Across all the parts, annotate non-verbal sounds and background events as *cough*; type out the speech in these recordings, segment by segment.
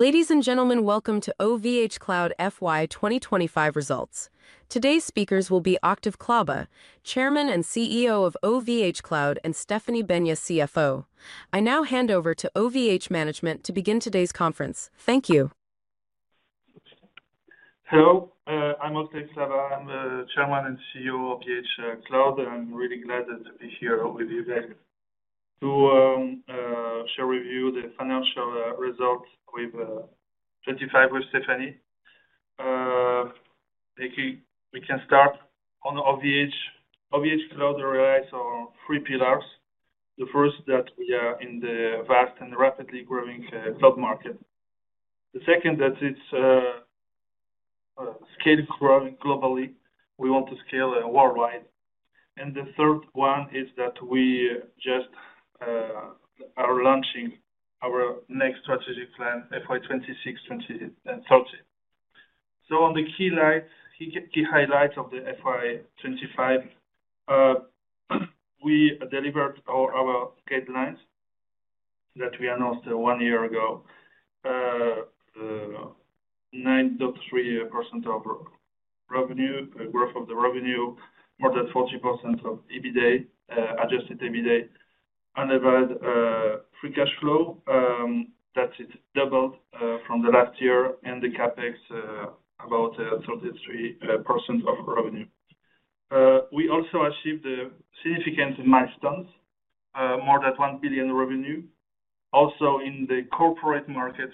Ladies and gentlemen, welcome to OVHcloud FY 2025 results. Today's speakers will be Octave Klaba, Chairman and CEO of OVHcloud, and Stéphanie Besnier, CFO. I now hand over to OVHcloud management to begin today's conference. Thank you. Hello, I'm Octave Klaba, I'm Chairman and CEO of OVHcloud. I'm really glad to be here with you to share with you the financial results FY 2025 with Stéphanie, we can start on. OVHcloud relies on three pillars. The first that we are in the vast and rapidly growing cloud market. The second that it's scale growing globally, we want to scale worldwide. The third one is that we just are launching our next strategic plan FY 2026-FY 2030. On the key highlights of the FY 2025, we delivered our guidelines that we announced one year ago. 9.3% organic revenue growth, more than 40% Adjusted EBITDA, Unlevered Free Cash Flow that doubled from last year, and the CapEx about 33% of revenue. We also achieved significant milestones, more than 1 billion revenue. Also in the Corporate market,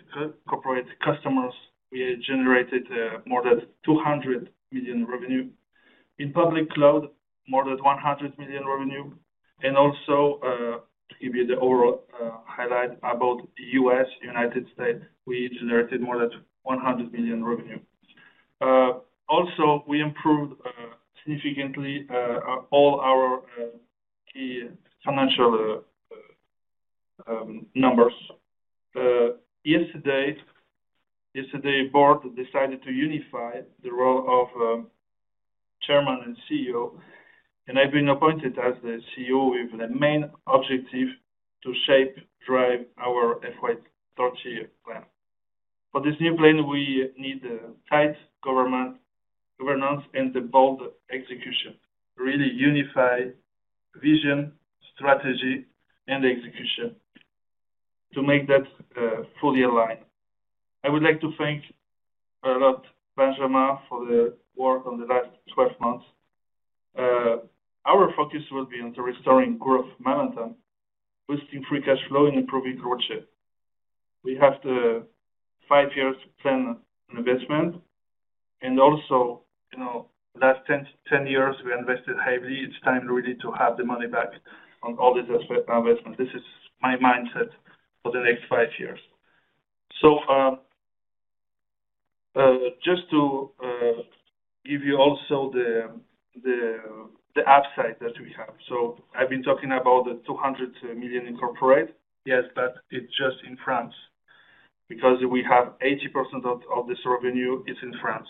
Corporate customers, we generated more than 200 million revenue. In public cloud, more than 100 million revenue. Also to give you the overall highlight about U.S., United States, we generated more than 100 million revenue. Also, we improved significantly all our key financial numbers. Yesterday, board decided to unify the role of Chairman and CEO and I've been appointed as the CEO with the main objective to shape, drive our FY 2030 plan. For this new plan, we need tight governance and bold execution, really unify vision, strategy, and execution to make that fully aligned. I would like to thank a lot Benjamin for the work on the last 12 months. Our focus will be on restoring growth momentum, boosting free cash flow, and improving ROCE. We have the five years to plan an investment and also last 10 years we invested heavily. It's time really to have the money back on all this investment. This is my mindset for the next five years. Just to give you also the upside that we have. I've been talking about the 200 million in Corporate. Yes, but it's just in France because we have 80% of this revenue is in France.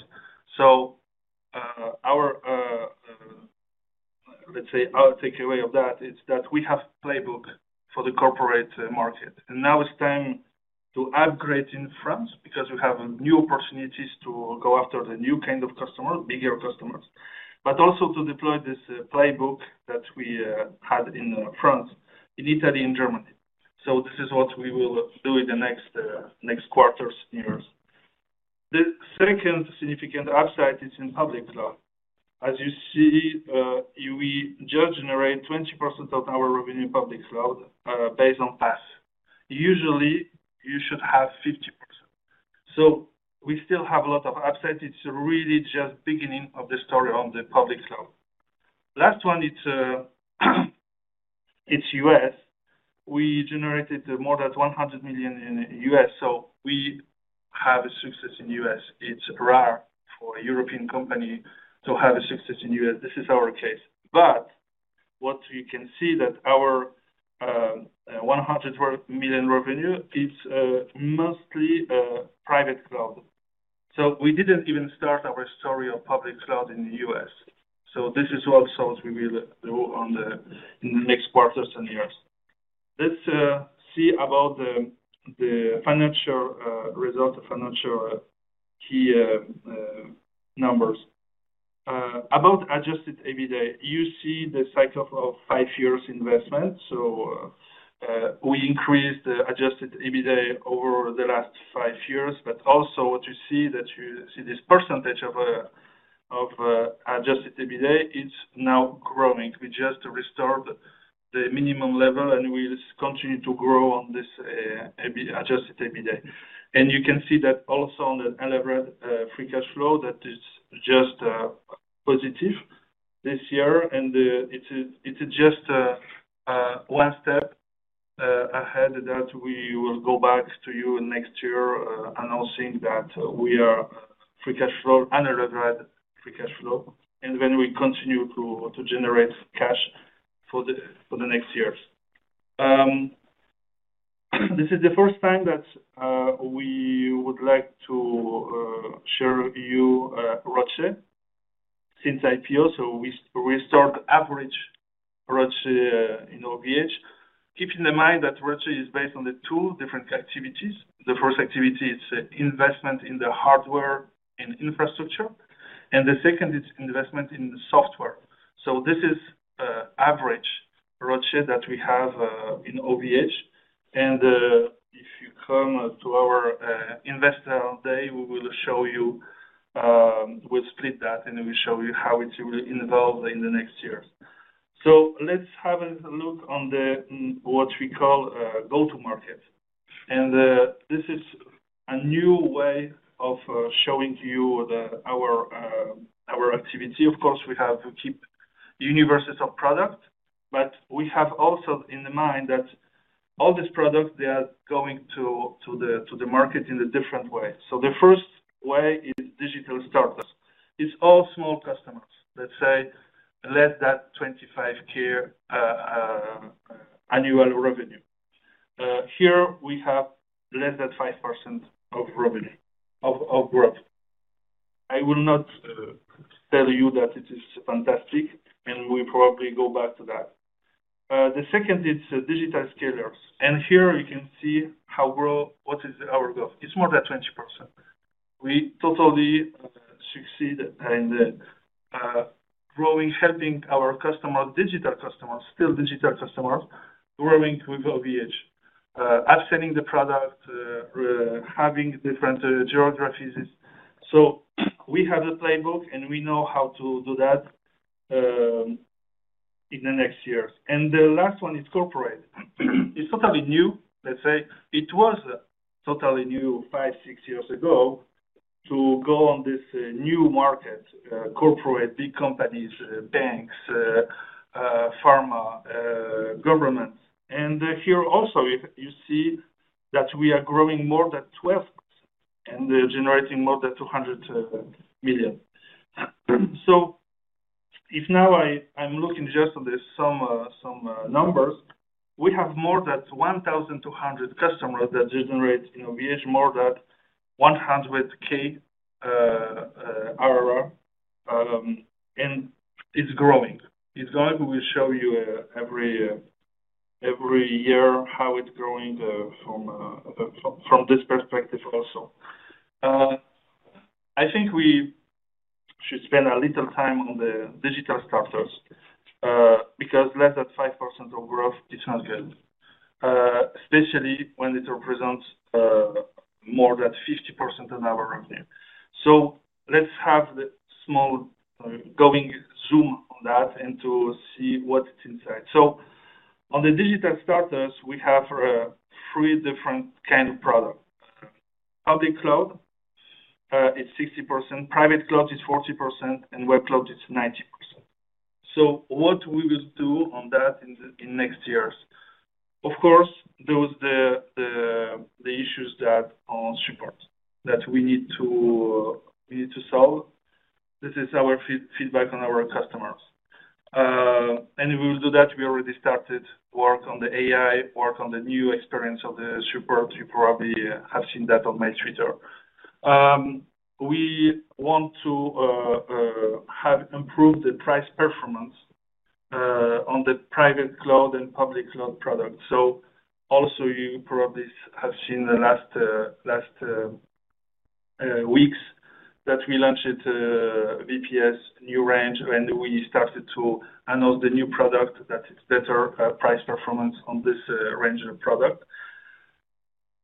Our takeaway of that is that we have playbook for the Corporate market and now it's time to upgrade in France because we have new opportunities to go after the new kind of customer, bigger customers, but also to deploy this playbook that we had in France, in Italy and Germany. This is what we will do in the next quarters, years. The second significant upside is in public cloud. As you see, we just generate 20% of our revenue public cloud based on PaaS, usually you should have 50%. We still have a lot of upside. It's really just beginning of the story on the public cloud. Last one, it's U.S. We generated more than 100 million in U.S. So we have a success in U.S. It's rare for a European company to have a success in U.S. This is our case. What you can see is that our 100 million revenue, it's mostly private cloud. We didn't even start our story of public cloud in the U.S. This is also what we will do in the next quarters and years. Let's see about the financial result of financial key numbers about Adjusted EBITDA. You see the cycle of five years investment. We increased Adjusted EBITDA over the last five years. Also, what you see is that, you see this percentage of Adjusted EBITDA, it's now growing. We just restored the minimum level and we continue to grow on this Adjusted EBITDA. You can see that also on the 11th free cash flow that is just positive this year and it's just one step ahead that we will go back to you next year announcing that we are free cash flow, Unlevered Free Cash Flow and then we continue to generate cash for the next years. This is the first time that we would like to share with you ROCE since IPO. We restored average ROCE in OVH. Keep in mind that ROCE is based on the two different activities. The first activity is investment in the hardware in infrastructure and the second is investment in software. This is average ROCE that we have in OVH. If you come to our investor day we will show you, we'll split that and we show you how it will evolve in the next years. Let's have a look on what we call go to market and this is a new way of showing you our activity. Of course we have universes of product but we have also in the mind that all these products they are going to the market in a different way. The first way is Digital Starters. It's all small customers, let's say less than 25,000 annual revenue. Here we have less than 5% of revenue of growth. I will not tell you that it is fantastic and we probably go back to that. The second is Digital Scalers and here you can see how well what is our growth. It's more than 20%. We totally succeed and growing helping our customers, digital customers, still digital customers growing with OVH, upselling the product, having different geographies. We have the playbook and we know how to do that in the next years. The last one is Corporate. It's totally new, let's say it was totally new five, six years ago to go on this new market. Corporate big companies, banks, pharma, governments. Here also you see that we are growing more than 12% and generating more than 200 million. If now I'm looking just on some numbers, we have more than 1,200 customers that generate more than EUR 100,000 ARR and it's growing, it's going. We will show you every year how it's growing from this perspective. I think we should spend a little time on the Digital Starters because less than 5% of growth is not good, especially when it represents more than 50% of our revenue. Let's have the small going zoom on that and see what's inside. On the Digital Starters we have three different kind of products. Public Cloud is 60%, Private Cloud is 40% and Web Cloud is 90%. What we will do on that in next years, of course those the issues that on support that we need to solve. This is our feedback on our customers and we will do that. We already started work on the AI work on the new experience of the support. You probably have seen that on my Twitter. We want to have improved the price performance on the private cloud and public cloud products. Also you probably have seen the last weeks that we launched VPS new range and we started to announce the new product that it's better price performance on this range of product.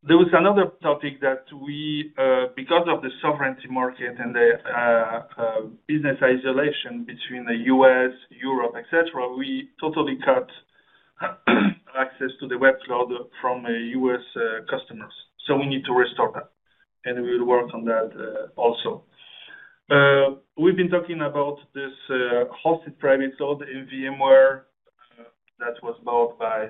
There was another topic that we because of the Sovereignty Market and the business isolation between the U.S., Europe etc. We totally cut access to the Web Cloud from U.S. customers. We need to restore that and we will work on that. We've been talking about this hosted private in VMware that was bought by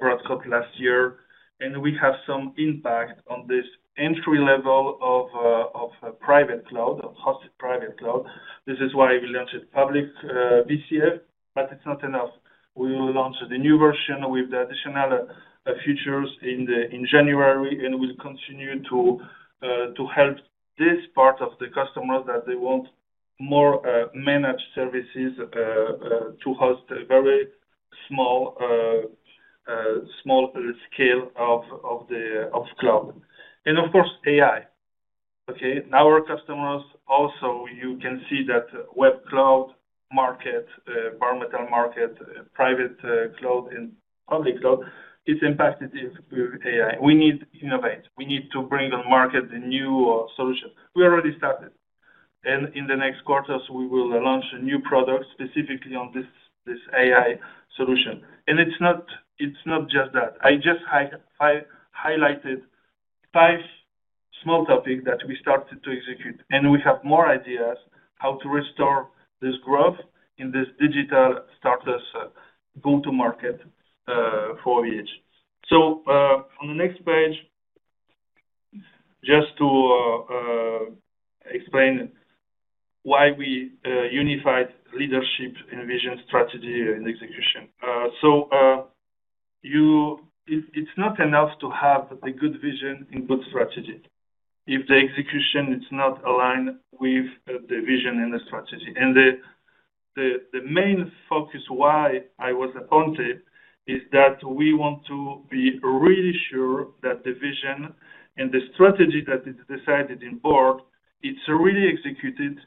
Broadcom last year and we have some impact on this entry level of private cloud of Hosted Private Cloud. This is why we launch it Public VCF. It's not enough. We will launch the new version with the additional features in January and we'll continue to help this part of the customers that they want more managed services to host a very small, small scale of the cloud and of course AI. Our customers also you can see that Web Cloud market environment barometer market, private cloud and public cloud is impacted with AI. We need innovate, we need to bring on market the new solutions we already started. In the next quarters we will launch a new product specifically on this AI solution. It's not just that. I just highlighted five small topics that we started to execute and we have more ideas how to restore this growth in this Digital Starters go to market for each. On the next page, just to explain why we unified leadership and vision, strategy and execution. It's not enough to have a good vision and good strategy if the execution is not aligned with the vision and the strategy. The main focus, why I was a pontiff, is that we want to be really sure that the vision and the strategy that is decided in board, it's really executed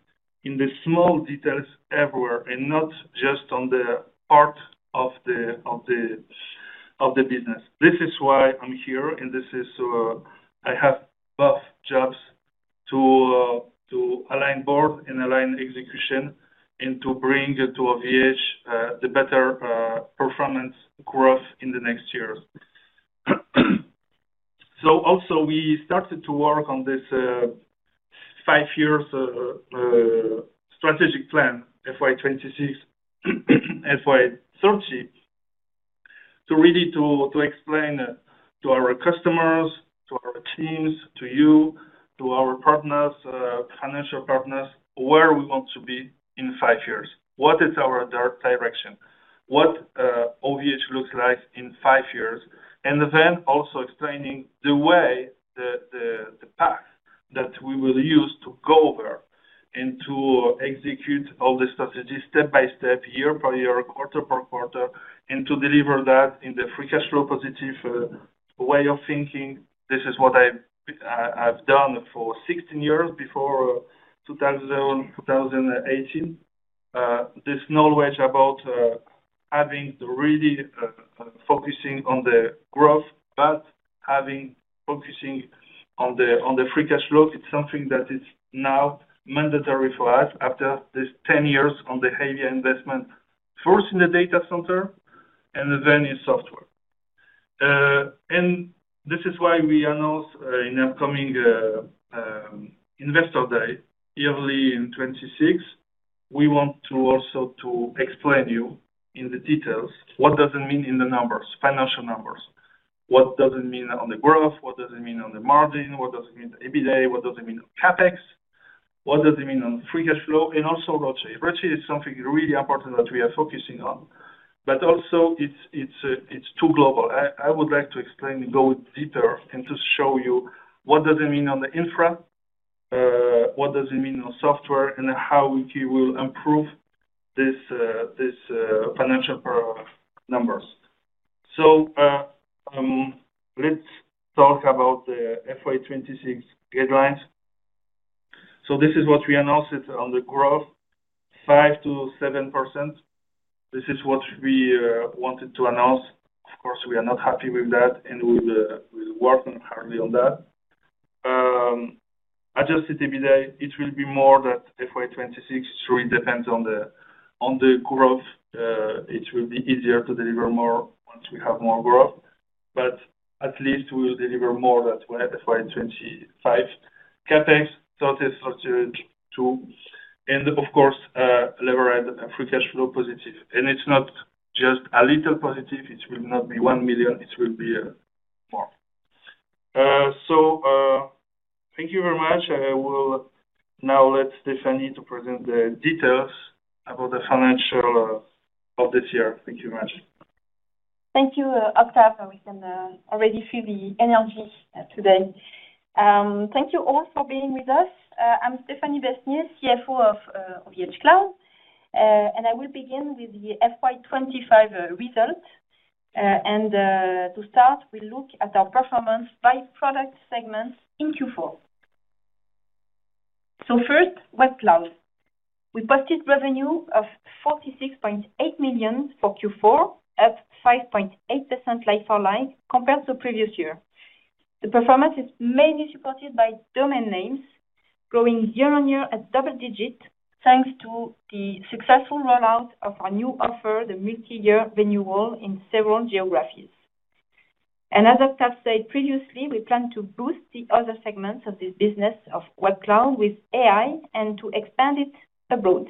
in the small details everywhere and not just on the part of the business. This is why I'm here and this is I have both jobs to align board and align execution and to bring to OVH the better performance growth in the next years. We started to work on this five years strategic plan FY 2026, FY 2030 to really explain to our customers, to our teams, to you, to our partners, financial partners where we want to be in five years, what is our direction, what OVH looks like in five years. Also explaining the way, the path that we will use to go over and to execute all the strategies step by step, year per year, quarter per quarter and to deliver that in the free cash flow positive way of thinking. This is what I've done for 16 years before 2000, 2018. This knowledge about having really focusing on the growth but having focusing on the free cash flow, it's something that is now mandatory for us after this 10 years on the heavy investment first in the data center and then in software. This is why we announced in upcoming investor day early in 2026. We want to also to explain you in the details what does it mean in the numbers, financial numbers, what does it mean on the growth, what does it mean on the margin, what does it mean EBITDA, what does it mean on CapEx, what does it mean on free cash flow. Also ROCE. ROCE is something really important that we are focusing on but also it's too global. I would like to explain, go deeper and to show you what does it mean on the infra, what does it mean on software and how we will improve these financial numbers. Let's talk about the FY 2026 guidelines. This is what we announced on the growth 5%-7%. This is what we wanted to announce. Of course, we are not happy with that and we're working hardly on that Adjusted EBITDA. It will be more that FY 2026. Surely depends on the growth. It will be easier to deliver more once we have more growth, but at least we will deliver more than FY 2025 CapEx 32 and of course leveraging free cash flow positive. It's not just a little positive, it will not be 1 million, it will be more. Thank you very much. I will now let Stéphanie to present the details about the financials of this year. Thank you very much. Thank you, Octave. We can already feel the energy today. Thank you all for being with us. I'm Stéphanie Besnier, CFO of OVHcloud, and I will begin with the FY 2025 result. To start, we look at our performance by product segment in Q4. First, Web Cloud: we posted revenue of 46.8 million for Q4, up 5.8% like-for-like compared to previous year. The performance is mainly supported by domain names growing year-on-year at double digits thanks to the successful rollout of our new offer, the multi-year renewal in several geographies. As Octave said previously, we plan to boost the other segments of this business of Web Cloud with AI and to expand it abroad.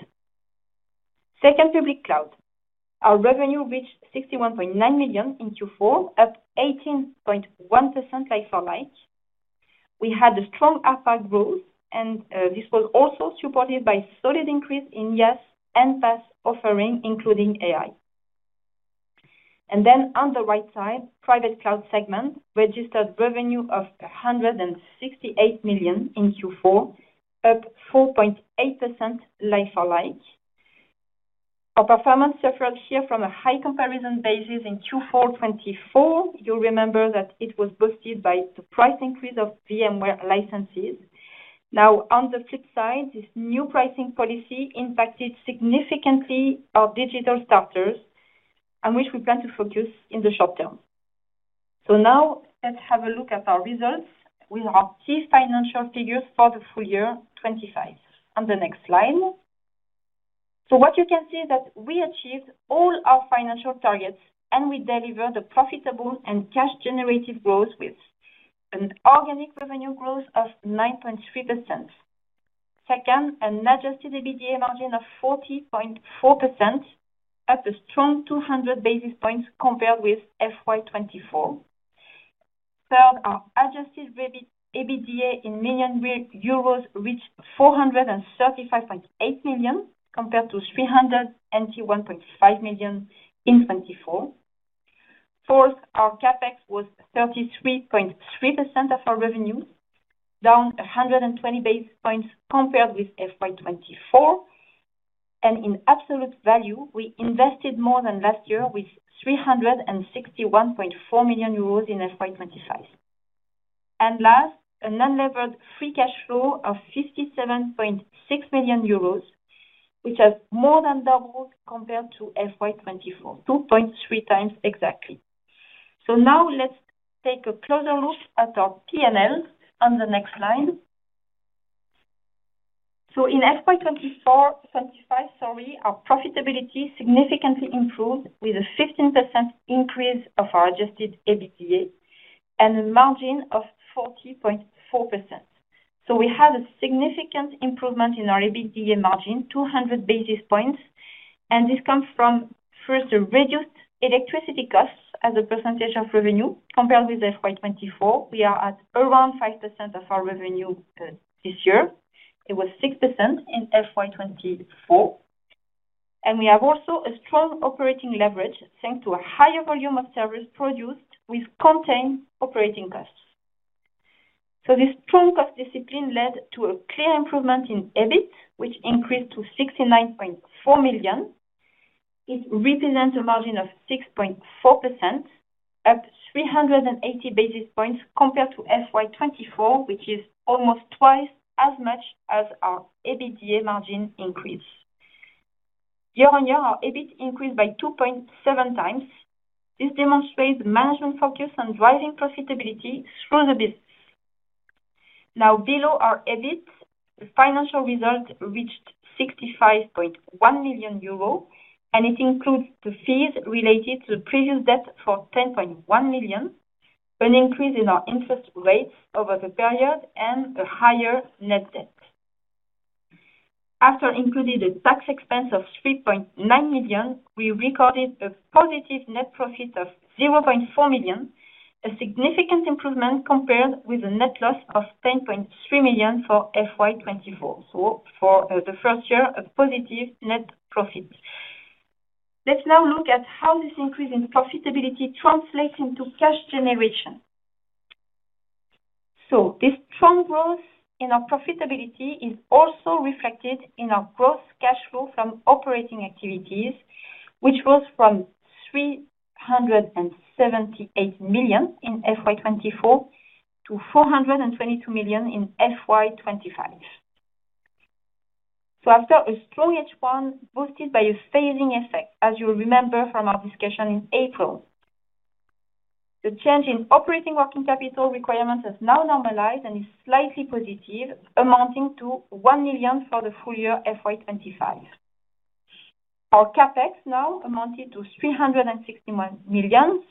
Second, Public Cloud: our revenue reached 61.9 million in Q4, up 18.11% like-for-like. We had a strong PaaS growth, and this was also supported by solid increase, yes, and PaaS offering including AI. On the right side, private cloud segment registered revenue of 168 million in Q4, up 4.8% like-for-like. Our performance suffered here from a high comparison basis in Q4 2024. You'll remember that it was boosted by the price increase of VMware licenses. On the flip side, this new pricing policy impacted significantly our Digital Starters, on which we plan to focus in the short term. Now let's have a look at our results with our key financial figures for the full year 2025 on the next slide. You can see that we achieved all our financial targets, and we deliver the profitable and cash-generating growth with an organic revenue growth of 9.3%. Second, an Adjusted EBITDA margin of 40.4% at a strong 200 basis points compared with FY 2024. Third, our Adjusted EBITDA in million euros reached 435.8 million compared to 381.5 million in 2024. Fourth, our CapEx was 33.3% of our revenues, down 120 basis points compared with FY 2024. In absolute value, we invested more than last year with 361.4 million euros in FY 2025. Last, an Unlevered Free Cash Flow of 57.6 million euros, which has more than doubled compared to FY 2024, 2.3 times exactly. Now let's take a closer look at our P&L on the next slide. In FY 2025, our profitability significantly improved with a 15% increase of our Adjusted EBITDA and a margin of 40.4%. We had a significant improvement in our EBITDA margin, 200 basis points. This comes from, first, reduced electricity costs as a percentage of revenue compared with FY 2024. We are at around 5% of our revenue this year; it was 6% in FY 2024. We have also a strong operating leverage thanks to a higher volume of service produced which contains operating costs. This strong cost discipline led to a clear improvement in EBIT, which increased to 69.4 million. It represents a margin of 6.4%, up 380 basis points compared to FY 2024, which is almost twice as much as our EBITDA margin increase. Year-on-year our EBIT increased by 2.7 times. This demonstrates management focus on driving profitability through the business. Now, below our EBIT, the financial result reached 65.1 million euro and it includes the fees related to the previous debt for 10.1 million, an increase in our interest rates over the period and a higher net debt. After including a tax expense of 3.9 million, we recorded a positive net profit of 0.4 million, a significant improvement compared with a net loss of 10.3 million for FY 2024. For the first year, a positive net profit. Let's now look at how this increase in profitability translates into cash generation. This strong growth in our profitability is also reflected in our gross cash flow from operating activities, which was from 378 million in FY 2024 to 422 million in FY 2025. After a strong H1 boosted by a phasing effect, as you remember from our discussion in April, the change in operating working capital requirements has now normalized and is slightly positive, amounting to 1 million for the full year FY 2025. Our CapEx now amounted to 361 million,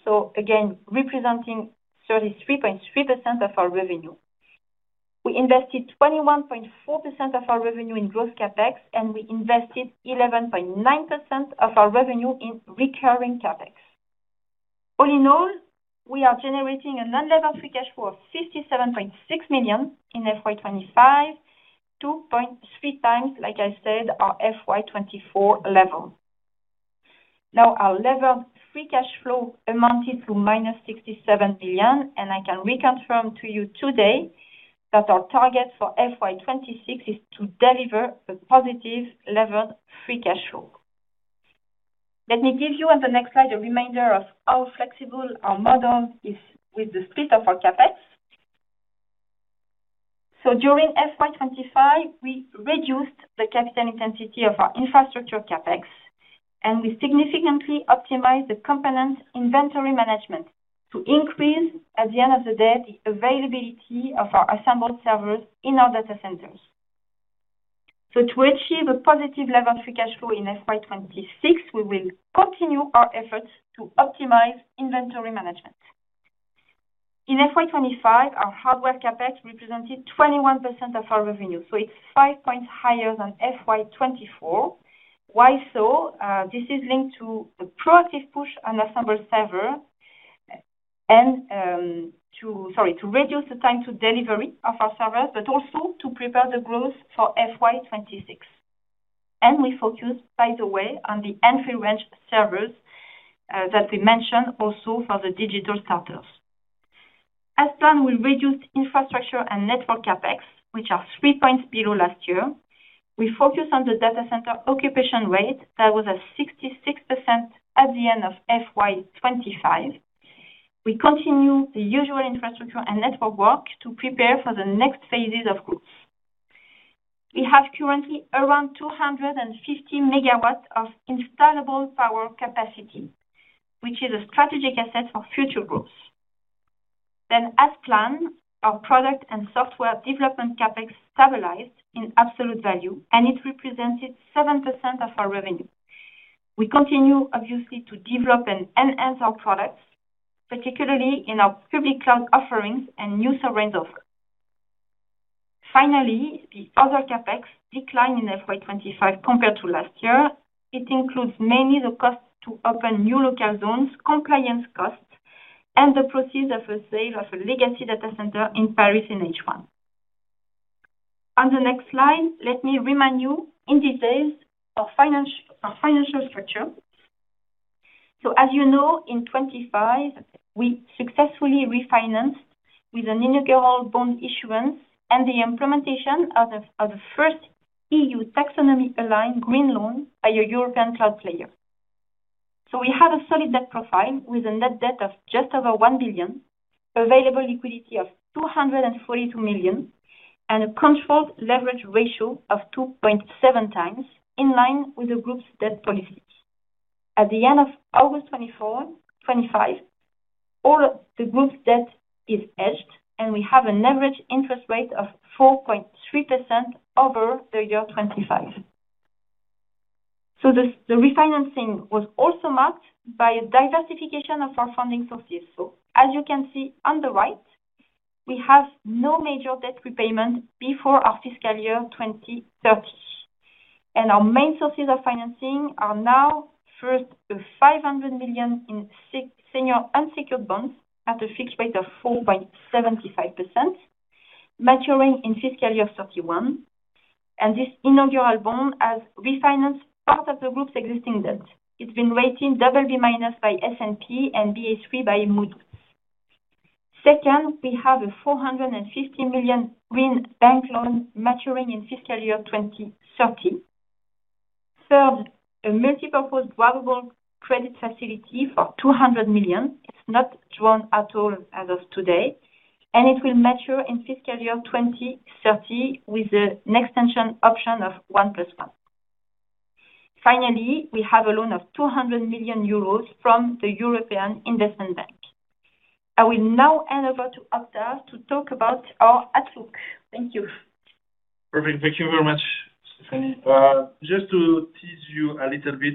representing 33.3% of our revenue. We invested 21.4% of our revenue in gross CapEx and we invested 11.9% of our revenue in recurring CapEx. All in all, we are generating a non-Levered Free Cash Flow of 57.6 million in FY 2025, 2.3 times, like I said, our FY 2024 level. Now our Levered Free Cash Flow amounted to -67 million and I can reconfirm to you today that our target for FY 2026 is to deliver a positive Levered Free Cash Flow. Let me give you on the next slide a reminder of how flexible our model is with the split of our CapEx. During FY 2025 we reduced the capital intensity of our infrastructure CapEx and we significantly optimized the component inventory management to increase at the end of the day the availability of our assembled servers in our data centers. To achieve a positive level of free cash flow in FY 2026 we will continue our efforts to optimize inventory management. In FY 2025 our hardware CapEx represented 21% of our revenue, so it's 5 points higher than FY 2024. Why? This is linked to the proactive push on assembled server and to reduce the time to delivery of our servers but also to prepare the growth for FY 2026 and we focus by the way on the entry range servers that we mentioned. Also for the Digital Starters, as planned we reduced infrastructure and network CapEx which are 3 points below last year. We focus on the data center occupation rate that was at 66% at the end of FY 2025. We continue the usual infrastructure and network work to prepare for the next phases of growth. We have currently around 250 megawatts of installable power capacity which is a strategic asset for future growth. As planned, our product and software development CapEx stabilized in absolute value and it represented 7% of our revenue. We continue obviously to develop and enhance our products, particularly in our public cloud offerings and new surrender. Finally, the other CapEx declined in FY 2025 compared to last year. It includes mainly the cost to open new local zones, compliance costs, and the proceeds of a sale of a legacy data center in Paris in H1. On the next slide, let me remind you in detail of financial structure. As you know in 2025 we successfully refinanced with an inaugural bond issuance and the implementation of the first EU Taxonomy aligned Green Loan by a European cloud player. We have a solid debt profile with a net debt of just over 1 billion, available liquidity of 242 million, and a controlled leverage ratio of 2.7 times in line with the group's debt policy. At the end of August 2025, all the group's debt is hedged and we have an average interest rate of 4.3% over the year 2025. The refinancing was also marked by a diversification of our funding sources. As you can see on the right, we have no major debt repayment before our fiscal year 2030. Our main sources of financing are now: first, 500 million in Senior Unsecured Bonds at a fixed rate of 4.75% maturing in fiscal year 2031. This inaugural bond has refinanced part of the group's existing debt. It's been rated BB- by S&P and Ba3 by Moody's. Second, we have a 450 million green bank loan maturing in fiscal year 2030. Third, a Multipurpose Drawable Credit Facility for 200 million. It's not drawn at all as of today and it will mature in fiscal year 2030 with an extension option of 1,1. Finally, we have a loan of 200 million euros from the European Investment Bank. I will now hand over to Octave to talk about our outlook. Thank you. Perfect. Thank you very much, Stéphanie. Just to tease you a little bit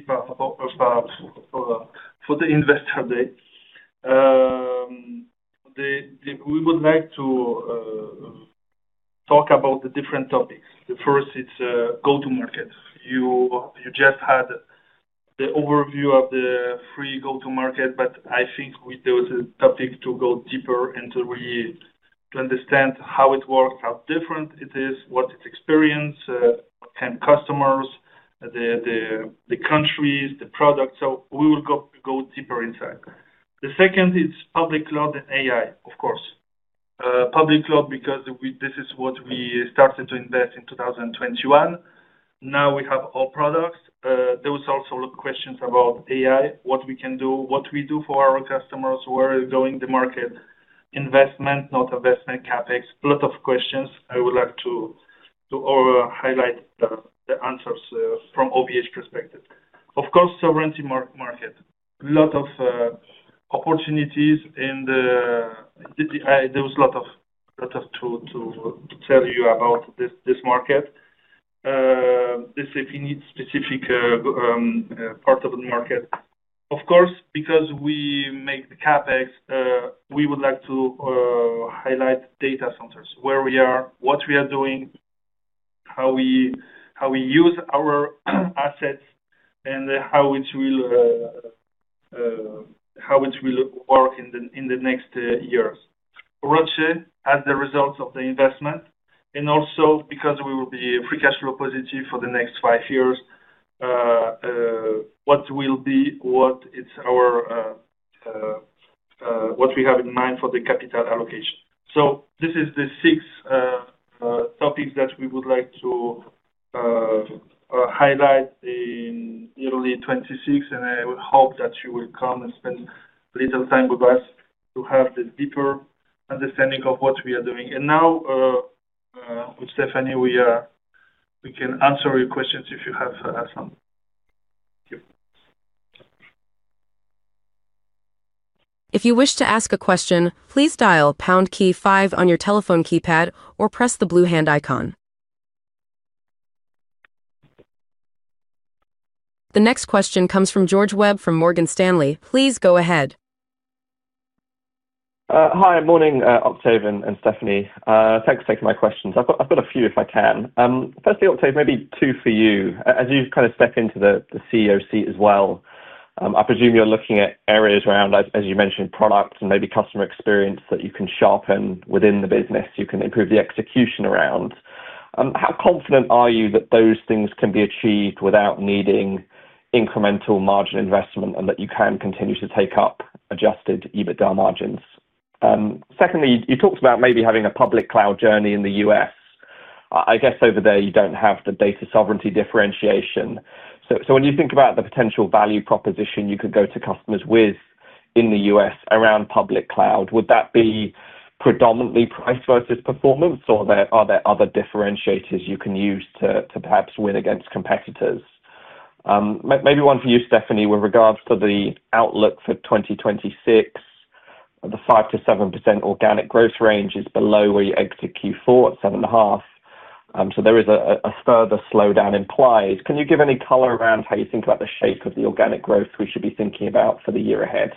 for the investor day, we would like to talk about the different topics. The first is go to market. You just had the overview of the free go to market, but I think there was a topic to go deeper and to really understand how it works, how different it is, what its experience can customers, the countries, the products. We will go deeper inside. The second is public cloud and AI. Of course, public cloud because this is what we started to invest in 2021. Now we have all products. There were also questions about AI, what we can do, what we do for our customers who are going the market. Investment, not investment. CapEx, lot of questions. I would like to highlight the answers from OVH perspective. Of course, Sovereignty Market, lot of opportunities, and there was a lot of truth to tell you about this market. If you need specific part of the market, of course, because we make the CapEx, we would like to highlight data centers, where we are, what we are doing, how we use our assets, and how it will work in the next years. ROCE as the results of the investment and also because we will be free cash flow positive for the next five years. What will be, what is our, what we have in mind for the capital allocation. This is the six topics that we would like to highlight in early 2026, and I hope that you will come and spend a little time with us to have this deeper understanding of what we are doing. Now, Stéphanie, we can answer your questions if you have some. If you wish to ask a question, please dial on your telephone keypad or press the blue hand icon. The next question comes from George Webb from Morgan Stanley. Please go ahead. Hi, morning Octave and Stéphanie. Thanks for taking my questions. I've got a few if I can. Firstly, Octave, maybe two for you as you kind of step into the CEO seat as well. I presume you're looking at areas around, as you mentioned, product and maybe customer experience that you can sharpen within the business, you can improve the execution around. How confident are you that those things can be achieved without needing incremental margin investment and that you can continue to take up Adjusted EBITDA margins? Secondly, you talked about maybe having a public cloud journey in the U.S. I guess over there you don't have the data sovereignty differentiation. When you think about the potential value proposition you could go to customers with in the U.S. around public cloud, would that be predominantly price versus performance or are there other differentiators you can use to perhaps win against competitors? Maybe one for you, Stéphanie, with regards to the outlook for 2026, the 5%-7% organic growth range is below where you exited Q4 at 7.5%. There is a further slowdown implied. Can you give any color around how you think about the shape of the organic growth we should be thinking about for the year ahead?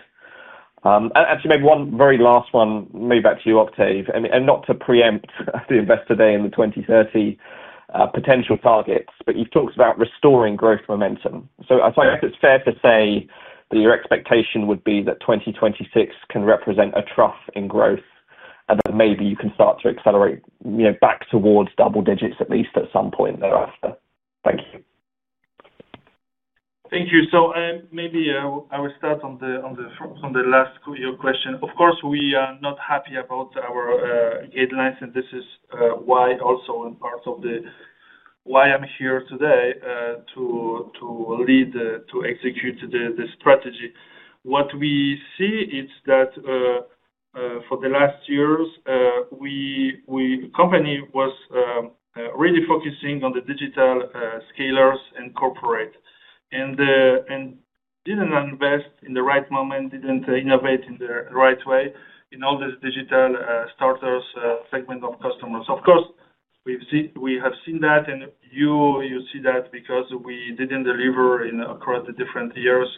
Actually, maybe one very last one, maybe back to you, Octave. Not to preempt the investor day and the 2030 potential targets, but you've talked about restoring growth momentum, so I guess it's fair to say that your expectation would be that 2026 can represent a trough in growth and that maybe you can start to accelerate back towards double digits at least at some point thereafter. Thank you. Thank you. Maybe I will start on the last question. Of course we are not happy about our guidelines and this is why also and part of the why I'm here today to lead, to execute the strategy. What we see is that for the last years the company was really focusing on the Digital Scalers and Corporate and didn't invest in the right moment, didn't innovate in the right way in all these Digital Starters segment of customers. Of course we have seen that and you see that because we didn't deliver across the different years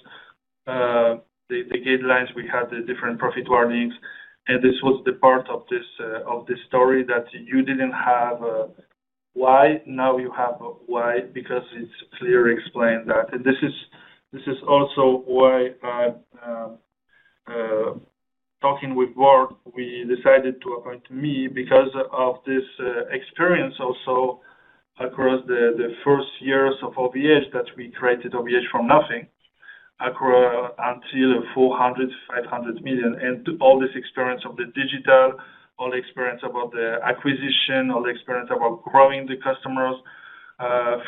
the guidelines, we had the different profit warnings. This was the part of this, of the story that you didn't have why now you have why, because it's clearly explained that. This is also why talking with board, we decided to appoint me because of this experience also across the first years of OVH, that we created OVH from nothing, accrue until 400 million, 500 million. All this experience of the digital, all experience about the acquisition, all the experience about growing the customers,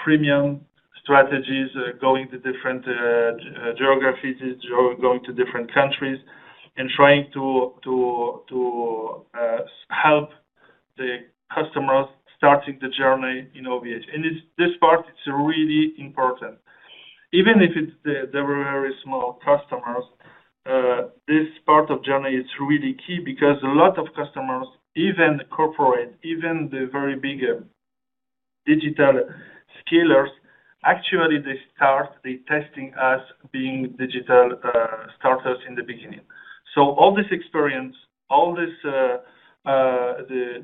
freemium strategies, going to different geographies, going to different countries and trying to help the customers starting the journey in OVH. This part is really important. Even if it's very small customers, this part of journey is really key because a lot of customers, even Corporate, even the very big Digital Scalers, actually they start testing us being Digital Starters in the beginning. All this experience, all this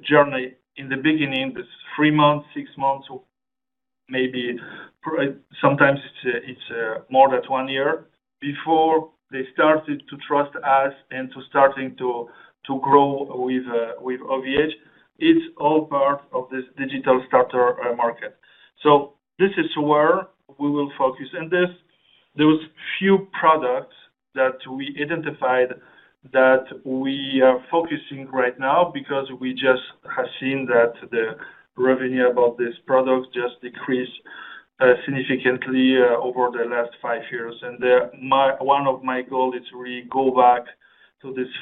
journey in the beginning, this three months, six months, maybe sometimes it's more than one year before they started to trust us and to starting to grow with OVH. It's all part of this digital starter market. This is where we will focus. There were few products that we identified that we are focusing right now because we just have seen that the revenue about this product just decreased significantly over the last five years. One of my goals is really go back to these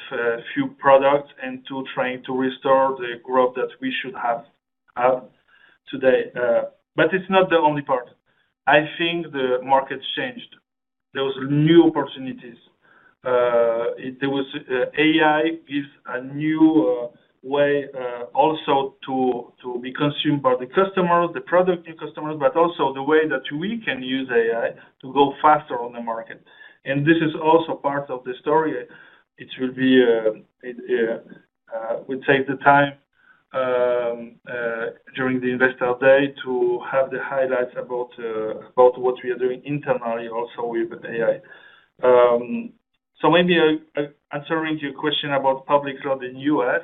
few products and to trying to restore the growth that we should have today. It's not the only part. I think the market changed. There were new opportunities, there was AI with a new way also to be consumed by the customers, the product, new customers. Also the way that we can use AI to go faster on the market. This is also part of the story. We will take the time during the investor day to have the highlights about what we are doing internally also with AI. Maybe answering your question about public cloud in the U.S.,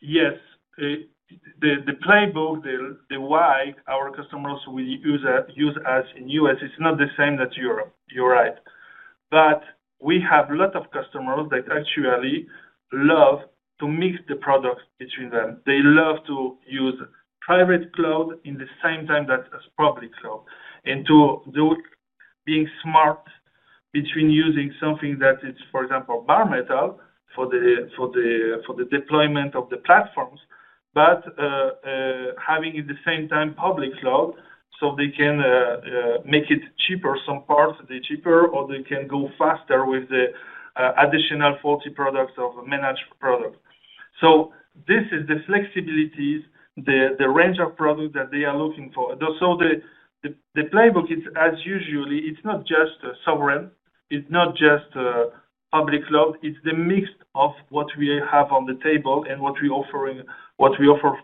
yes, the playbook, the why our customers will use us in the U.S. is not the same as Europe. You're right. We have a lot of customers that actually love to mix the products between them. They love to use Hosted Private Cloud at the same time as public cloud, and to do being smart between using something that is, for example, Bare Metal for the deployment of the platforms, but having at the same time public cloud so they can make it cheaper. Some parts they're cheaper or they can go faster with the additional forty products of managed product. This is the flexibilities, the range of products that they are looking for. The playbook is as usual, it's not just sovereign, it's not just public cloud. It's the mix of what we have on the table and what we offer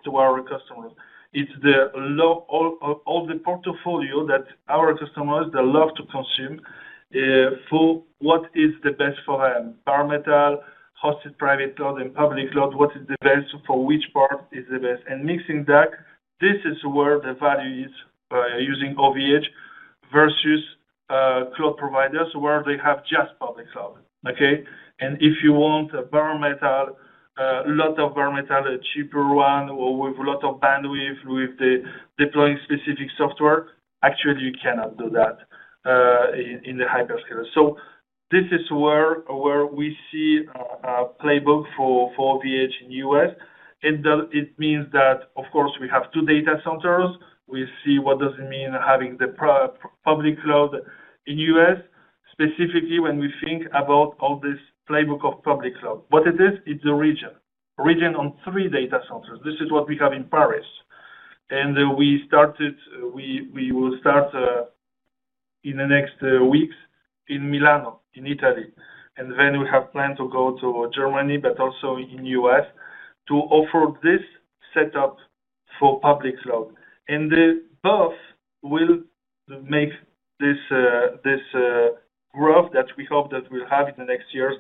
to our customers. It's all the portfolio that our customers, they love to consume for what is the best for them: Bare Metal, Hosted Private Cloud, and public cloud. What is the best for which part is the best, and mixing that, this is where the value is using OVH versus cloud providers where they have just public cloud. If you want a barometer, a lot of Bare Metal, a cheaper one with a lot of bandwidth with deploying specific software, actually you cannot do that in the hyperscaler. This is where we see playbook for OVH in the U.S. It means that, of course, we have two data centers. We see what does it mean having the public cloud in the U.S. specifically. When we think about all this playbook of public cloud, what it is, it's a region, region on three data centers. This is what we have in Paris and we started, we will start in the next weeks in Milano in Italy, and then we have plan to go to Germany but also in the U.S. to offer this setup for public cloud and both will make this growth that we hope that we'll have in the next years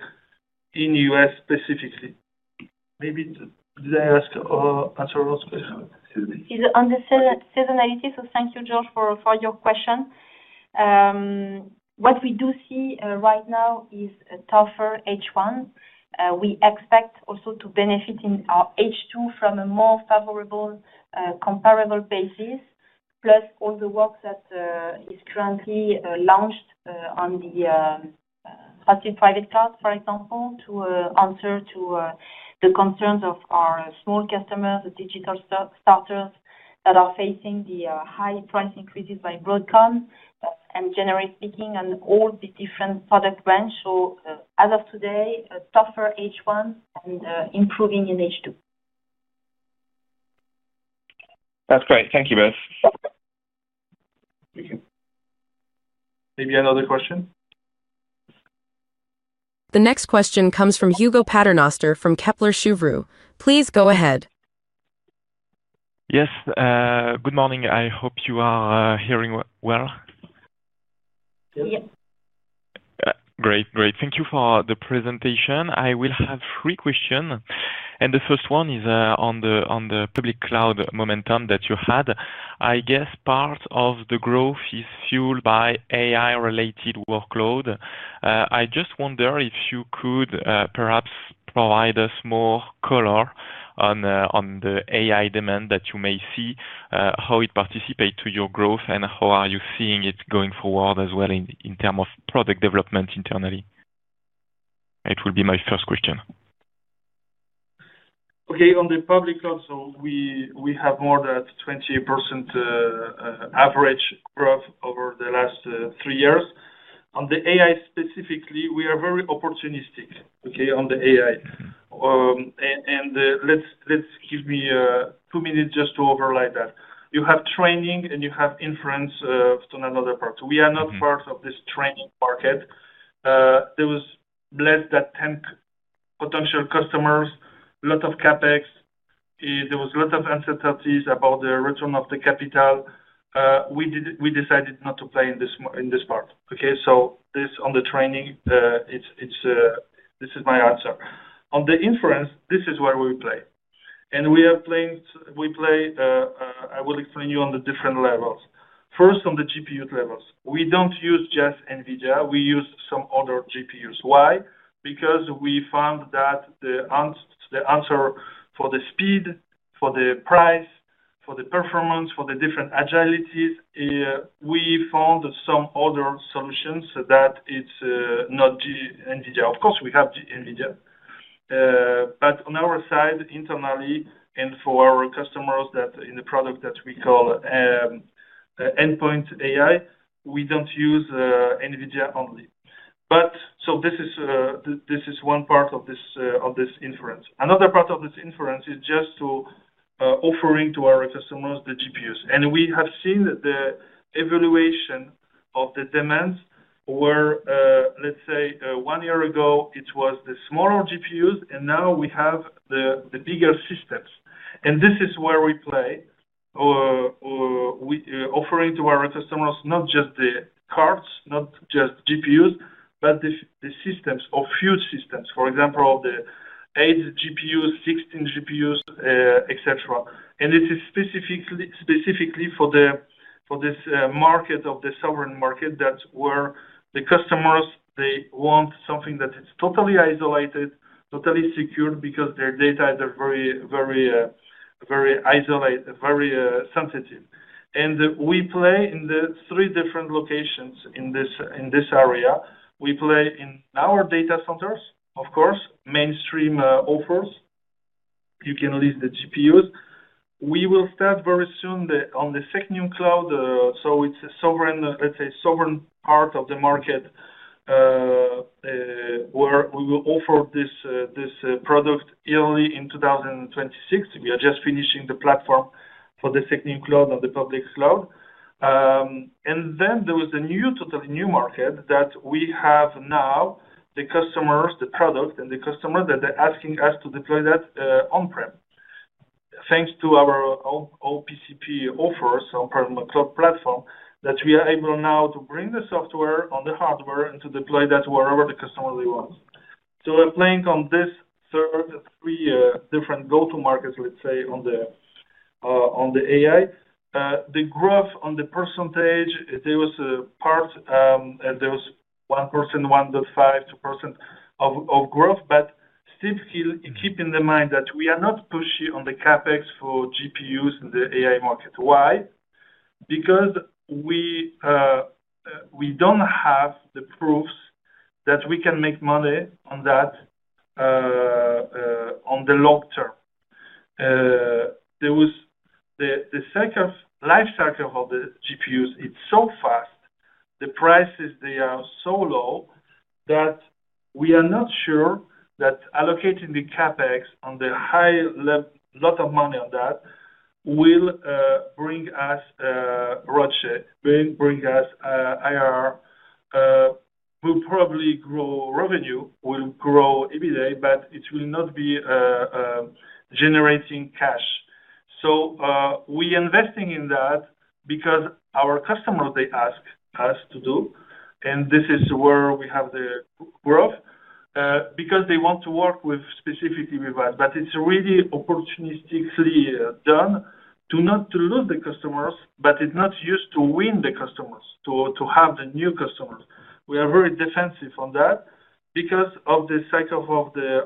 in the U.S. specifically. Maybe did I answer those questions on the seasonality. Thank you George for your question. What we do see right now is a tougher H1. We expect also to benefit in our H2 from a more favorable comparable basis. Plus all the work that is currently launched on the Hosted Private Cloud. For example, to answer to the concerns of our small customers, Digital Starters that are facing the high price increases by Broadcom and generally speaking in all the different product range. As of today, tougher H1 and improving in H2. That's great. Thank you, guys. Maybe another question. The next question comes from Hugo Paternoster from Kepler Cheuvreux. Please go ahead. Yes, good morning. I hope you are hearing well. Great, great. Thank you for the presentation. I will have three questions. The first one is on the public cloud momentum that you had. I guess part of the growth is fueled by AI related workload. I just wonder if you could perhaps provide us more color on the AI demand that you may see, how it participate to your growth, and how are you seeing it grow going forward as well in terms of product development internally. It will be my first question. Okay. On the public cloud, we have more than 20% average growth over the last three years. On the AI specifically, we are very opportunistic on the AI. Let me give you two minutes just to overlay that you have training and you have inference, another part. We are not part of this training market. There were less than 10 potential customers, a lot of CapEx. There was a lot of uncertainty about the return on the capital. We decided not to play in this part. Okay, so this on the training, this is my answer. On the inference, this is where we play and we have plans, we play. I will explain to you on the different levels. First, on the GPU levels, we don't use just NVIDIA, we use some other GPUs. Why? Because we found that the answer for the speed, for the price, for the performance, for the different agilities, we found some other solutions that are not NVIDIA. Of course, we have the NVIDIA, but on our side internally and for our customers, in the product that we call Endpoint AI, we don't use NVIDIA only. This is one part of this inference. Another part of this inference is just offering to our customers the GPUs. We have seen the evolution of the demands where, let's say, one year ago it was the smaller GPUs and now we have the bigger systems. This is where we play, offering to our customers not just the cards, not just GPUs, but the systems, huge systems, for example, the 8 GPUs, 16 GPUs, etc. It is specifically for this market of the sovereign market. That's where the customers want something that is totally isolated, totally secure because their data is very, very, very isolated, very sensitive. We play in the three different locations in this area. We play in our data centers, of course, mainstream offers. You can list the GPUs. We will start very soon on the SecNumCloud. It is a sovereign, let's say, sovereign part of the market where we will offer this product early in 2026. We are just finishing the platform for the SecNumCloud of the public cloud. Then there is a new, totally new market that we have now. The customers, the product, and the customer are asking us to deploy that on-prem. Thanks to our OPCP offers, on-prem cloud platform, we are able now to bring the software on the hardware and to deploy that wherever the customer wants. We're playing on these three different go to markets, let's say on the AI, the growth on the percentage there was a part, there was one person 1.52% of growth, but still keep in mind that we are not pushy on the CapEx for GPUs in the AI market. Why? Because we don't have the proofs that we can make money on that on the long term, the life cycle of the GPUs, it's so fast, the prices, they are so low that we are not sure that allocating the CapEx on the high lot of money on that will bring us ROCE, will bring us IRR, will probably grow revenue, will grow EBITDA, but it will not be generating cash. We are investing in that because our customers, they ask us to do and this is where we have the growth because they want to work specifically with us. It's really opportunistically done to not to lose the customers. It's not used to win the customers to have the new customers. We are very defensive on that because of the cycle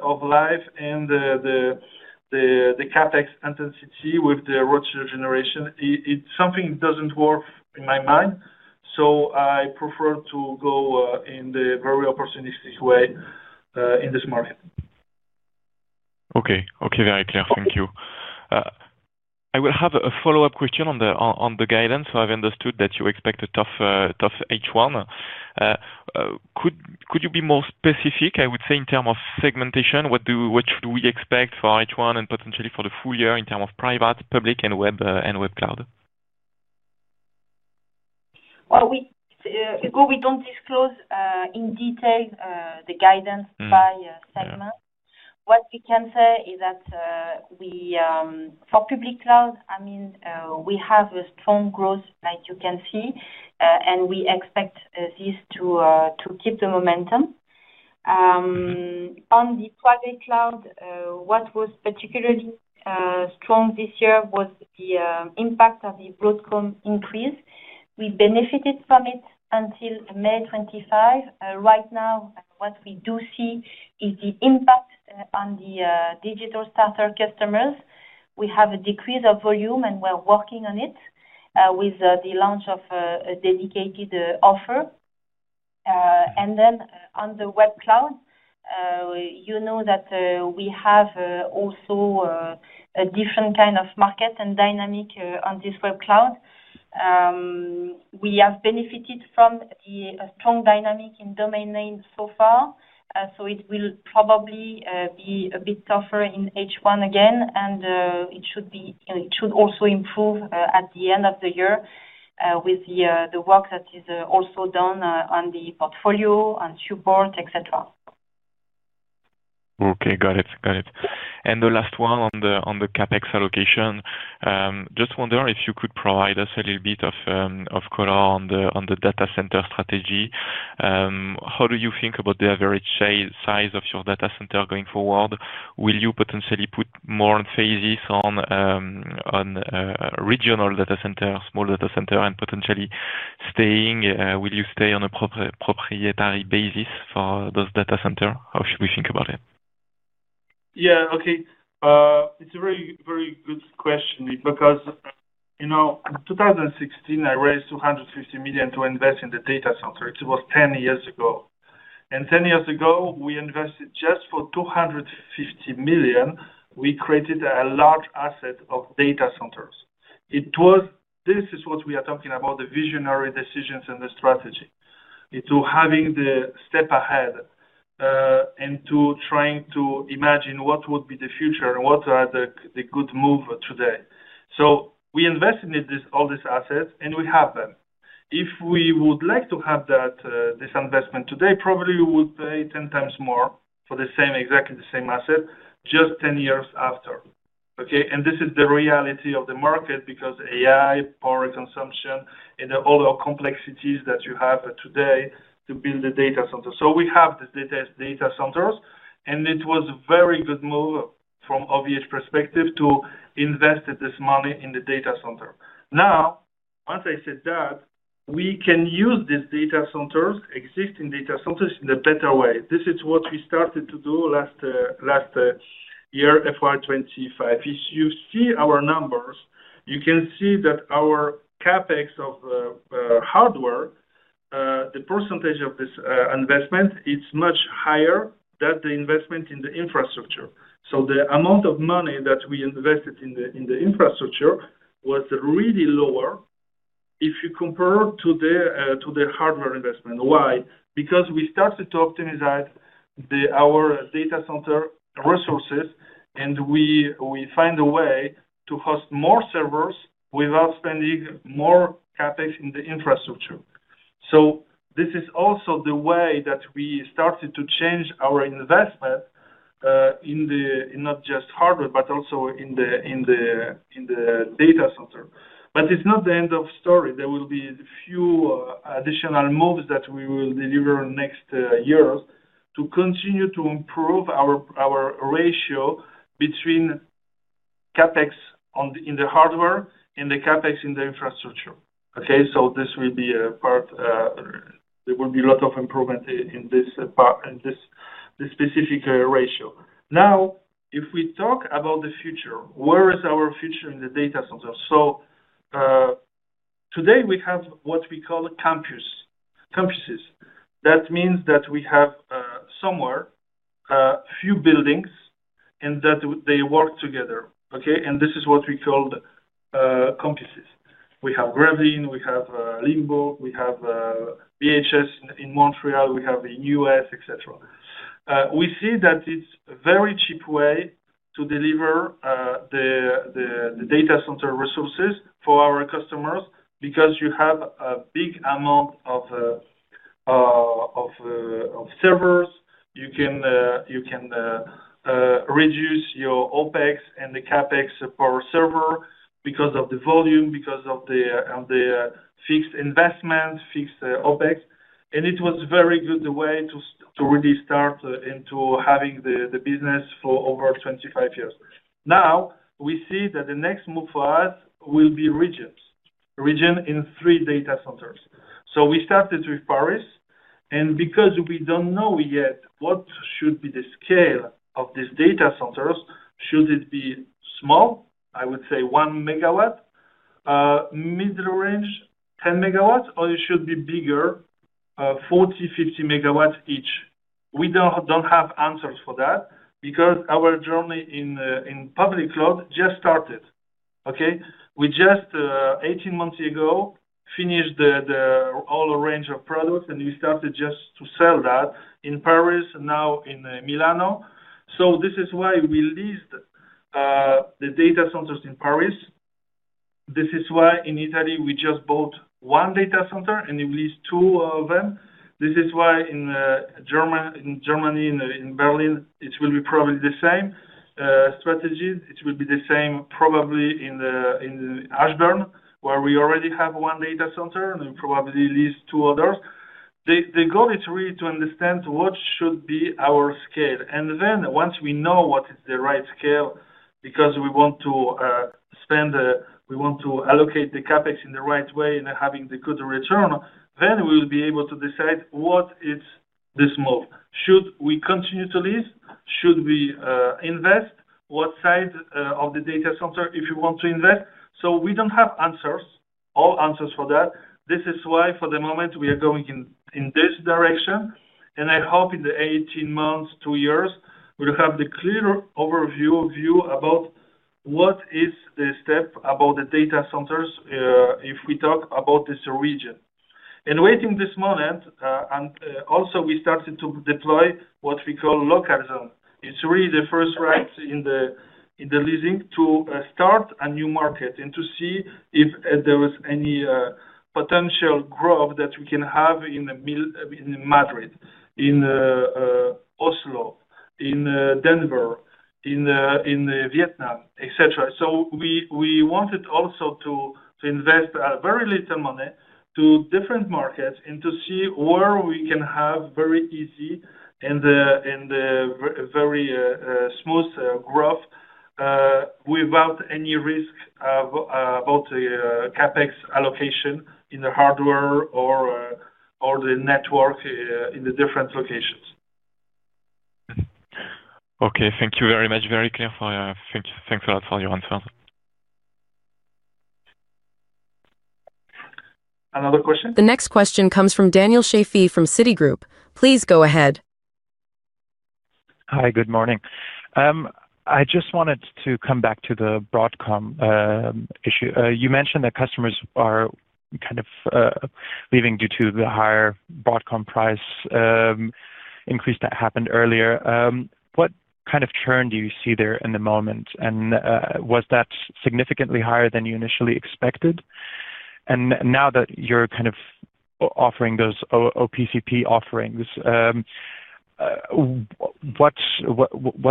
of life and the CapEx intensity with the ROCE generation. Something doesn't work in my mind so I prefer to go in the very opportunistic way in this market. Okay, okay, very clear. Thank you. I will have a follow up question on the guidance. I've understood that you expect a tough H1. Could you be more specific? I would say in terms of segmentation, what should we expect for H1 and potentially for the full year in terms of private, public, and web cloud? We don't disclose in detail the guidance by segment. What we can say is that for public cloud, I mean we have a strong growth like you can see and we expect this to keep the momentum on the public cloud. What was particularly strong this year was the impact of the Broadcom increase. We benefited from it until May 25th. Right now what we do see is the impact on the digital starter customers. We have a decrease of volume and we're working on it with the launch of a dedicated offer. On the web cloud, you know that we have also a different kind of market and dynamic on this web cloud. We have benefited from a strong dynamic in domain names so far. It will probably be a bit tougher in H1 again and it should also improve at the end of the year with the work that is also done on the portfolio and support, etc. Okay, got it. The last one on the CapEx allocation. Just wonder if you could provide us a little bit of color on the data center strategy. How do you think about the average size of your data center going forward? Will you potentially put more phases on regional data centers, small data center and potentially staying. Will you stay on a proprietary basis for those data center? How should we think about it? Yeah, okay. It's a very, very good question because you know, in 2016 I raised 250 million to invest in the data center. It was 10 years ago and 10 years ago we invested just for 250 million. We created a large asset of data centers. This is what we are talking about. The visionary decisions and the strategy to having the step ahead into trying to imagine what would be the future and what are the good move today. We invested all these assets and we have them. If we would like to have this investment today, probably we would pay 10 times more for the same, exactly the same asset, but just 10 years after. This is the reality of the market because AI, power consumption and all the complexities that you have today to build the data center. We have these data centers and it was a very good move from OVH perspective to invest this money in the data center. Now once I said that we can use these data centers, existing data centers in a better way, this is what we started to do last year, FY 2025. If you see our numbers, you can see that our CapEx of hardware, the percentage of this investment is much higher than the investment in the infrastructure. The amount of money that we invested in the infrastructure was really lower if you compare to the hardware investment. Why? Because we started to optimize our data center resources and we find a way to host more servers without spending more CapEx in the infrastructure. This is also the way that we started to change our investment in not just hardware but also in the data center. It's not the end of story. There will be few additional moves that we will deliver next year to continue to improve our ratio between CapEx in the hardware and the CapEx in the infrastructure. This will be a part, there will be a lot of improvement in this part, in this specific ratio. Now if we talk about the future, where is our future in the data center. Today we have what we call campuses. That means that we have somewhere few buildings and that they work together. This is what we call campuses. We have Gravelines, we have Limburg, we have Vint Hill in Montreal, we have the U.S. etc. We see that it's a very cheap way to deliver the data center resources for our customers. Because you have a big amount of servers, you can reduce your OpEx and the CapEx per server because of the volume, because of the fixed investment, fixed OpEx, and it was very good, the way to really start into having the business for over 25 years. Now we see that the next move for us will be regions, region in three data centers. We started with Paris, and because we don't know yet what should be the scale of these data centers. Should it be small, I would say 1 MW, middle range, 10 MW or should it be bigger, 40 MW, 50 MW each? We don't have answers for that because our journey in public cloud just started. We just 18 months ago finished all range of products, and we started just to sell that in Paris, now in Milano. This is why we leased the data centers in Paris. This is why in Italy we just bought one data center and leased two of them. This is why in Germany, in Berlin, it will be probably the same strategy. It will be the same probably in Ashburn, where we already have one data center and probably lease two others. The goal is really to understand what should be our scale. Once we know what is the right scale, because we want to spend, we want to allocate the CapEx in the right way and have the good return, then we will be able to decide what is this move. Should we continue to lease? Should we invest? What size of the data center if you want to invest? We don't have all answers for that. This is why for the moment we are going in this direction, and I hope in the 18 months, two years, we'll have the clearer overview about what is the step about the data centers if we talk about this region. Waiting this moment, also we started to deploy what we call local zone. It's really the first right in the leasing to start a new market and to see if there was any potential growth that we can have in Madrid, in Oslo, in Denver, in Vietnam, etc. We wanted also to invest very little money to different markets and to see where we can have very easy and very smooth growth without any risk about the CapEx allocation in the hardware or the network in the different locations. Okay, thank you very much. Very clear. Thanks a lot for your answer. Another question, the next question comes from Daniel Schafei from Citigroup. Please go ahead. Hi, good morning. I just wanted to come back to the Broadcom issue. You mentioned that customers are kind of leaving due to the higher Broadcom price increase that happened earlier. What kind of churn do you see there in the moment? Was that significantly higher than you initially expected? Now that you're kind of offering those OPCP offerings, what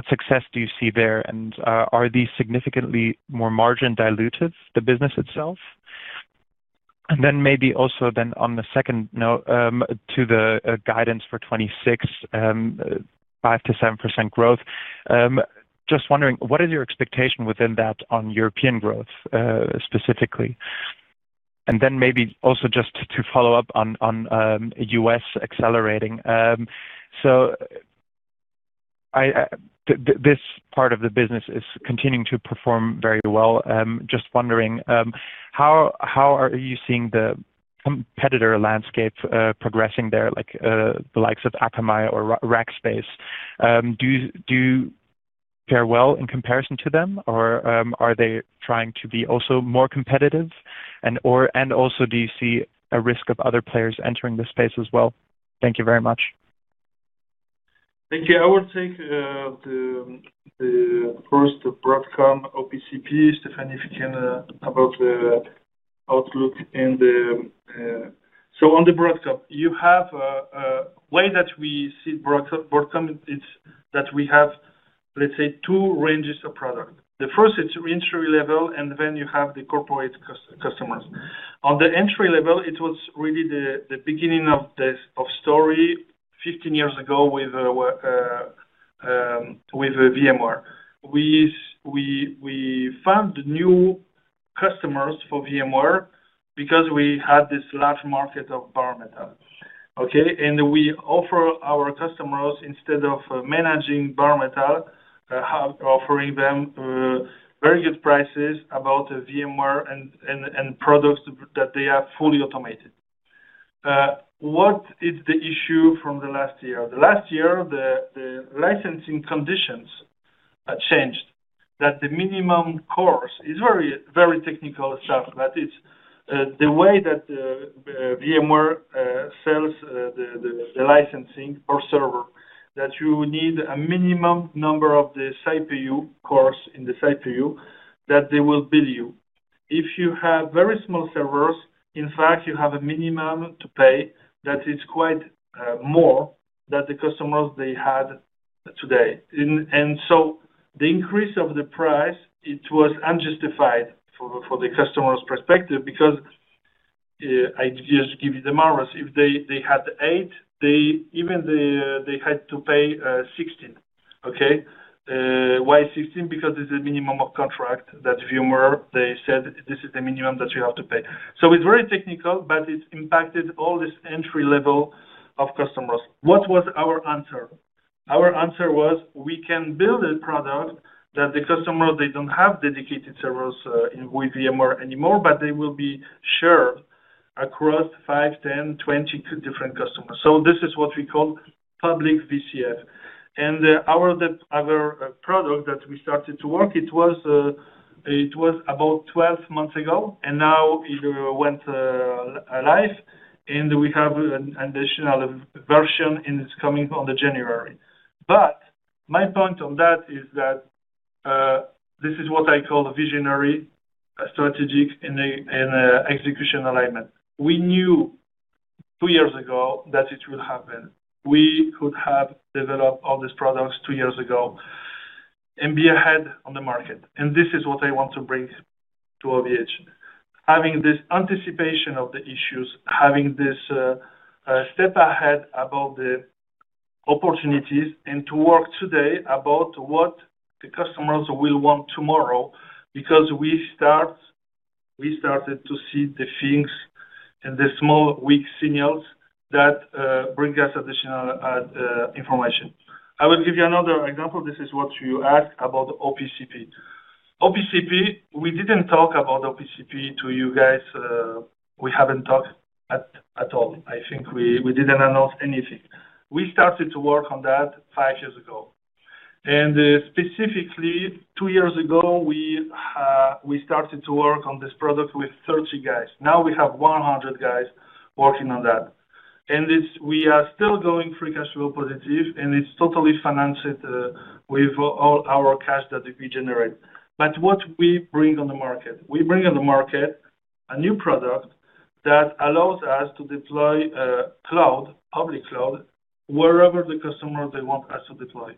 success do you see there? Are these significantly more margin dilutive to the business itself? Also, on the second note to the guidance for 26.5-27% growth, just wondering what is your expectation within that on European growth specifically? Maybe also just to follow up on U.S. accelerating. So, this part of the business is continuing to perform very well. Just wondering how are you seeing the competitor landscape progressing there, like the likes of Akamai or Rackspace? Do you fare well in comparison to them, or are they trying to be also more competitive? Also, do you see a risk of other players entering the space as well? Thank you very much. Thank you. I will take the first Broadcom OPCP. Stefan, if you can, about the outlook and so on the Broadcom, the way that we see Broadcom is that we have, let's say, two ranges of product. The first is entry level and then you have the Corporate customers. On the entry level, it was really the beginning of the story 15 years ago with VMware. We found new customers for VMware because we had this large market of Bare Metal and we offer our customers, instead of managing Bare Metal, offering them very good prices about VMware and products, but that they are fully automated. What is the issue from the last year? The last year the licensing conditions changed, that the minimum cores is very, very technical stuff. That is the way that VMware sells the licensing or server, that you need a minimum number of the CPU cores in the CPU that they will bill you if you have very small servers. In fact, you have a minimum to pay that is quite more than the customers they had today. The increase of the price, it was unjustified from the customer's perspective. I just give you the, if they had eight, even they had to pay 16. Okay, why 16? Because it's a minimum of contract that VMware, they said this is the minimum that you have to pay. It is very technical, but it's impacted all this entry level of customers. What was our answer? Our answer was we can build a product that the customer, they don't have dedicated servers in VMware anymore, but they will be shared across 5, 10, 20 different customers. This is what we call Public VCF. Our product that we started to work, it was about 12 months ago and now it went live and we have an additional version and it's coming on the January. My point on that is that this is what I call a visionary strategic in execution alignment. We knew two years ago that it will happen. We could have developed all these products two years ago and be ahead on the market. This is what I want to bring to OVHcloud. Having this anticipation of the issues, having this step ahead about the opportunities and to work today about what the customers will want tomorrow. We started to see the things and the small weak signals that bring us additional information. I will give you another example. This is what you asked about OPCP. OPCP, we didn't talk about OPCP to you guys. We haven't talked at all. I think we didn't announce anything. We started to work on that five years ago. Specifically, two years ago we started to work on this product with 30 guys. Now we have 100 guys working on that. We are still going free cash flow positive. It's totally financing with all our cash that we generate. What we bring on the market, we bring on the market a new product that allows us to deploy cloud, public cloud, wherever the customer wants us to deploy.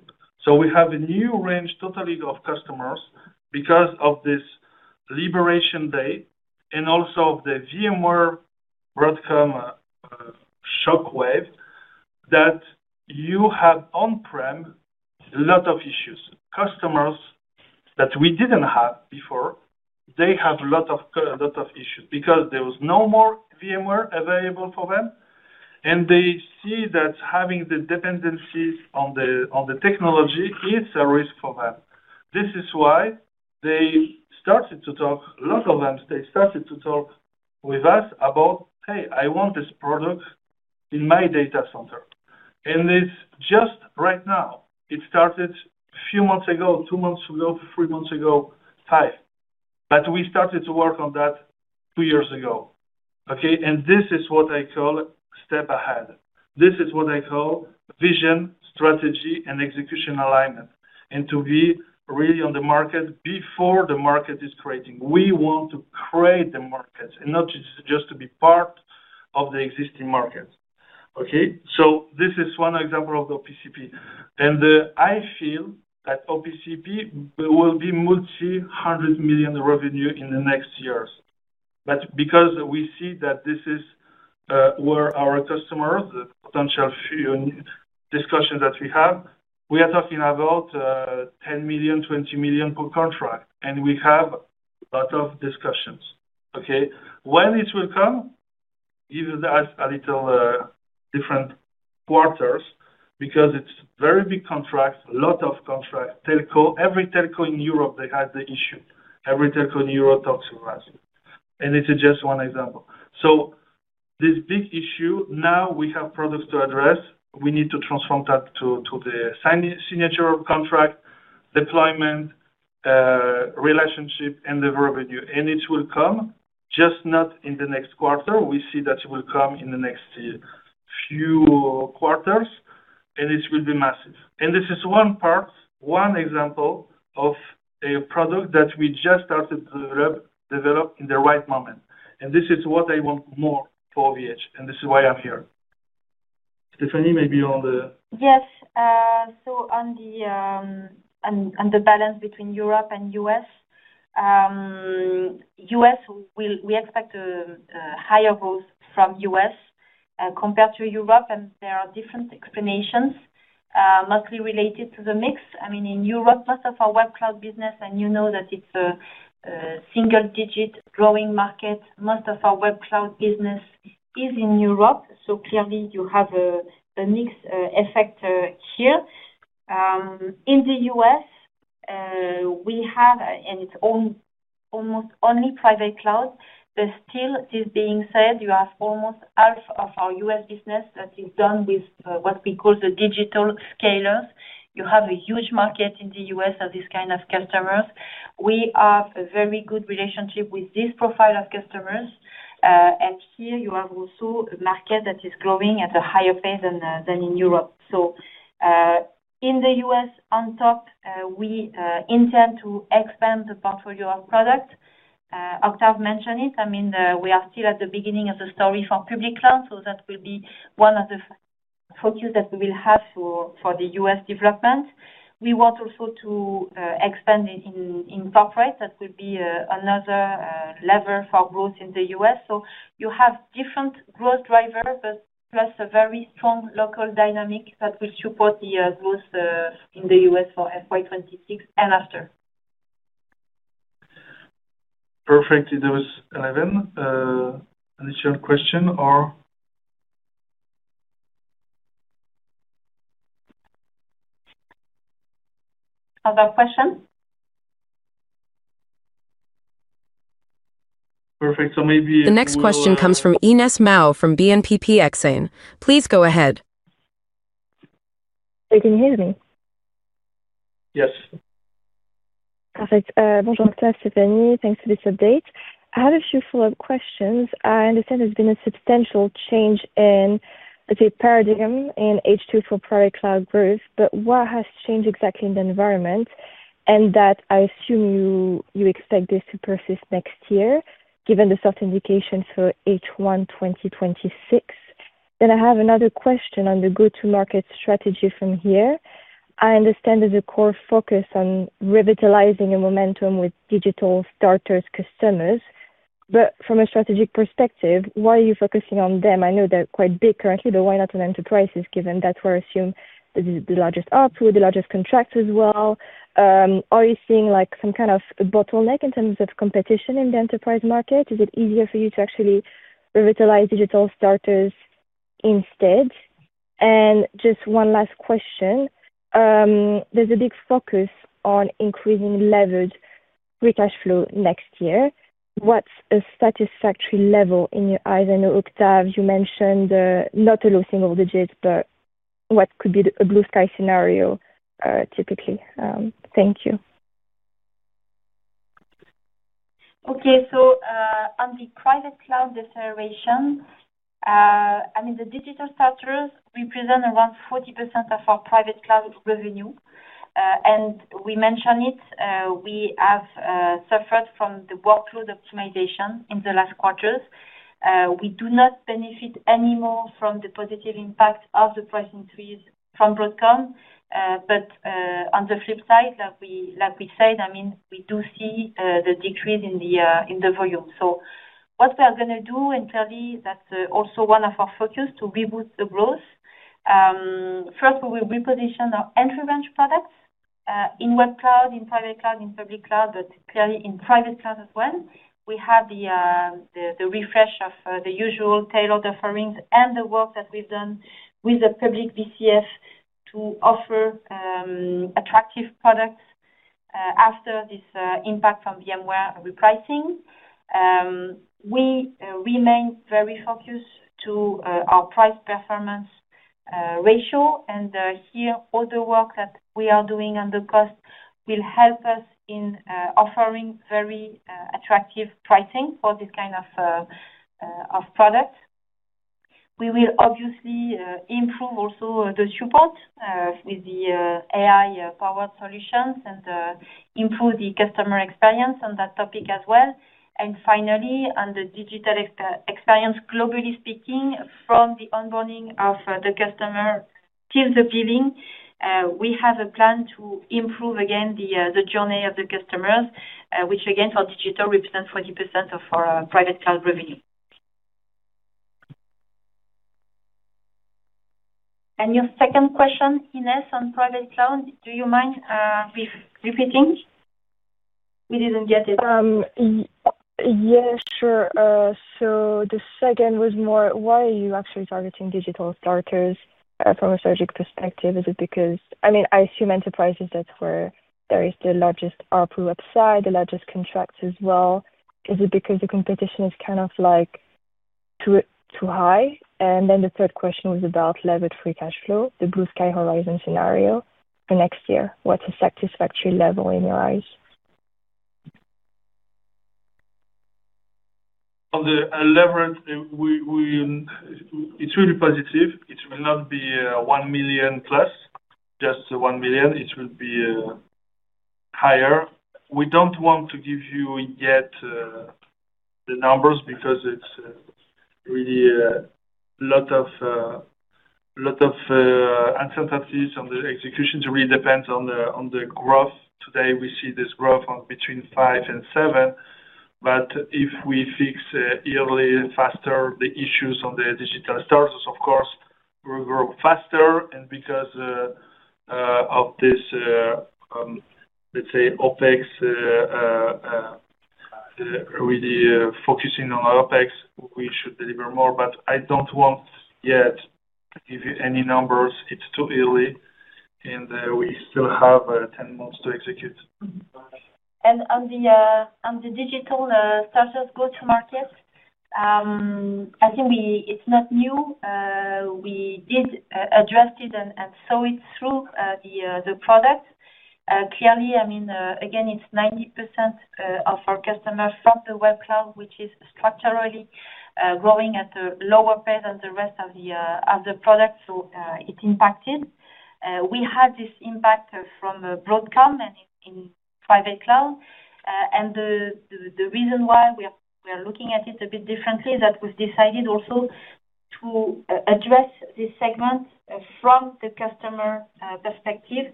We have a new range totally of customers because of this liberation day and also of the VMware Broadcom shockwave that you have on prem. A lot of issues, customers that we didn't have before, they have a lot of issues because there was no more VMware available for them. They see that having the dependencies on the technology, it's a risk for them. This is why they started to talk, a lot of them started to talk with us about, hey, I want this product in my data center. It's just right now, it started a few months ago, two months ago, three months ago, five. We started to work on that two years ago. This is what I call step ahead. This is what I call vision, strategy, and execution alignment. To be really on the market before the market is creating. We want to create the markets and not just to be part of the existing market. This is one example of the OPCP and I feel that OPCP will be multi hundred million revenue in the next years. We see that this is where our customers' potential discussions that we have. We are talking about 10 million, 20 million per contract. We have a lot of discussions, okay, when it will come, give us a little different quarters because it's very big contract, a lot of contracts, telco. Every telco in Europe, they had the issue, every telco in Europe talks with us and this is just one example. This big issue, now we have products to address. We need to transform that to the signature, contract, deployment, relationship, and the revenue, and it will come, just not in the next quarter. We see that it will come in the next few quarters and this will be massive. This is one part, one example of a product that we just started to develop in the right moment. This is what I want more for OVHcloud and this is why I'm here. Stéphanie, maybe on the. Yes. On the balance between Europe and U.S., we expect a higher growth from the U.S. compared to Europe. There are different explanations, mostly related to the mix. In Europe, most of our web cloud business, and you know that it's a single-digit growing market, most of our web cloud business is in Europe. Clearly, you have a mix effect. Here in the U.S., we have almost only private cloud. Still, this being said, you have almost half of our U.S. business that is done with what we call the Digital Scalers. You have a huge market in the U.S. of this kind of customers. We have a very good relationship with this profile of customers. Here you have also a market that is growing at a higher pace than in Europe. In the U.S., on top, we intend to expand the portfolio of product. Octave mentioned it. We are still at the beginning of the story for public cloud. That will be one of the focus areas that we will have for the U.S. development. We want also to expand in Corporate. That will be another lever for growth in the U.S. You have different growth drivers plus a very strong local dynamic that will support the growth in the U.S. for FY 2026 and after. Perfect. That was 11 initial questions. Other question. Perfect. Maybe the next question comes from Ines Mao from BNPP Exane. Please go ahead. Can you hear me? Yes. Perfect. Thanks for this update. I have a few follow-up questions. I understand there's been a substantial change in, let's say, paradigm in H2 for priority cloud growth. What has changed exactly in the environment? I assume you expect this to persist next year given the soft indication for H1 2026. I have another question on the go-to-market strategy. From here I understand there's a core focus on revitalizing momentum with Digital Starters customers. From a strategic perspective, why are you focusing on them? I know they're quite big currently, but why not on enterprises given that we're assumed the largest, with the largest contracts as well? Are you seeing some kind of bottleneck in terms of competition in the enterprise market? Is it easier for you to actually revitalize Digital Starters instead? Just one last question. There's a big focus on increasing Levered Free Cash Flow next year. What's a satisfactory level in your eyes? I know Octave, you mentioned not a low single digit, but what could be a blue sky scenario typically. Thank you. Okay, so on the private cloud deceleration, the Digital Starters represent around 40% of our private cloud revenue. We mention it, we have suffered from the workload optimization in the last quarters. We do not benefit anymore from the positive impact of the price increase from Broadcom. On the flip side, like we said, we do see the decrease in the volume. What we are going to do, and clearly that's also one of our focus to reboot the growth, first we will reposition our entry range products in web cloud, in private cloud, in public cloud, but clearly in private cloud as well. We have the refresh of the usual tailored offerings and the work that we've done with a Public VCF to offer attractive products after this impact from VMware repricing. We remain very focused to our price performance ratio. All the work that we are doing on the cost will help us in offering very attractive pricing for this kind of products. We will obviously improve also the support with the AI-powered solutions and improve the customer experience on that topic as well. Finally, on the digital experience, globally speaking, from the onboarding of the customer till the viewing, we have a plan to improve again the journey of the customers, which again for digital represent 40% of our private cloud revenue. Your second question, Ines, on private cloud, do you mind repeating, we didn't get it. Yeah, sure. The second was more, why are you actually targeting Digital Starters from a surgical perspective? Is it because, I mean, I assume enterprises, that where there is the largest ARPU upside, the largest contracts as well. Is it because the competition is kind of like too high? The third question was about Levered Free Cash Flow, the blue sky horizon scenario for next year. What's a satisfactory level in your eyes. On the levered it's really positive. It will not be 1 million+, just 1 million, it will be higher. We don't want to give you yet the numbers because it's really a lot of uncertainties on the execution. It really depends on the growth. Today we see this growth of between 5% and 7% but if we fix yearly faster the issues on the digital stack sources of course will grow faster. Because of this, let's say OpEx, really focusing on OpEx, we should deliver more but I don't want yet to give you any numbers, it's too early and we still have 10 months to. Execute and on the Digital Starters go to market. I think it's not new. We did address it and saw it through the product clearly. I mean again it's 90% of our customers from the Web Cloud, which is structurally growing at a lower pace than the rest of the products. It impacted, we had this impact from Broadcom and in private cloud, and the reason why we are looking at it a bit differently is that we've decided also to address this segment from the customer perspective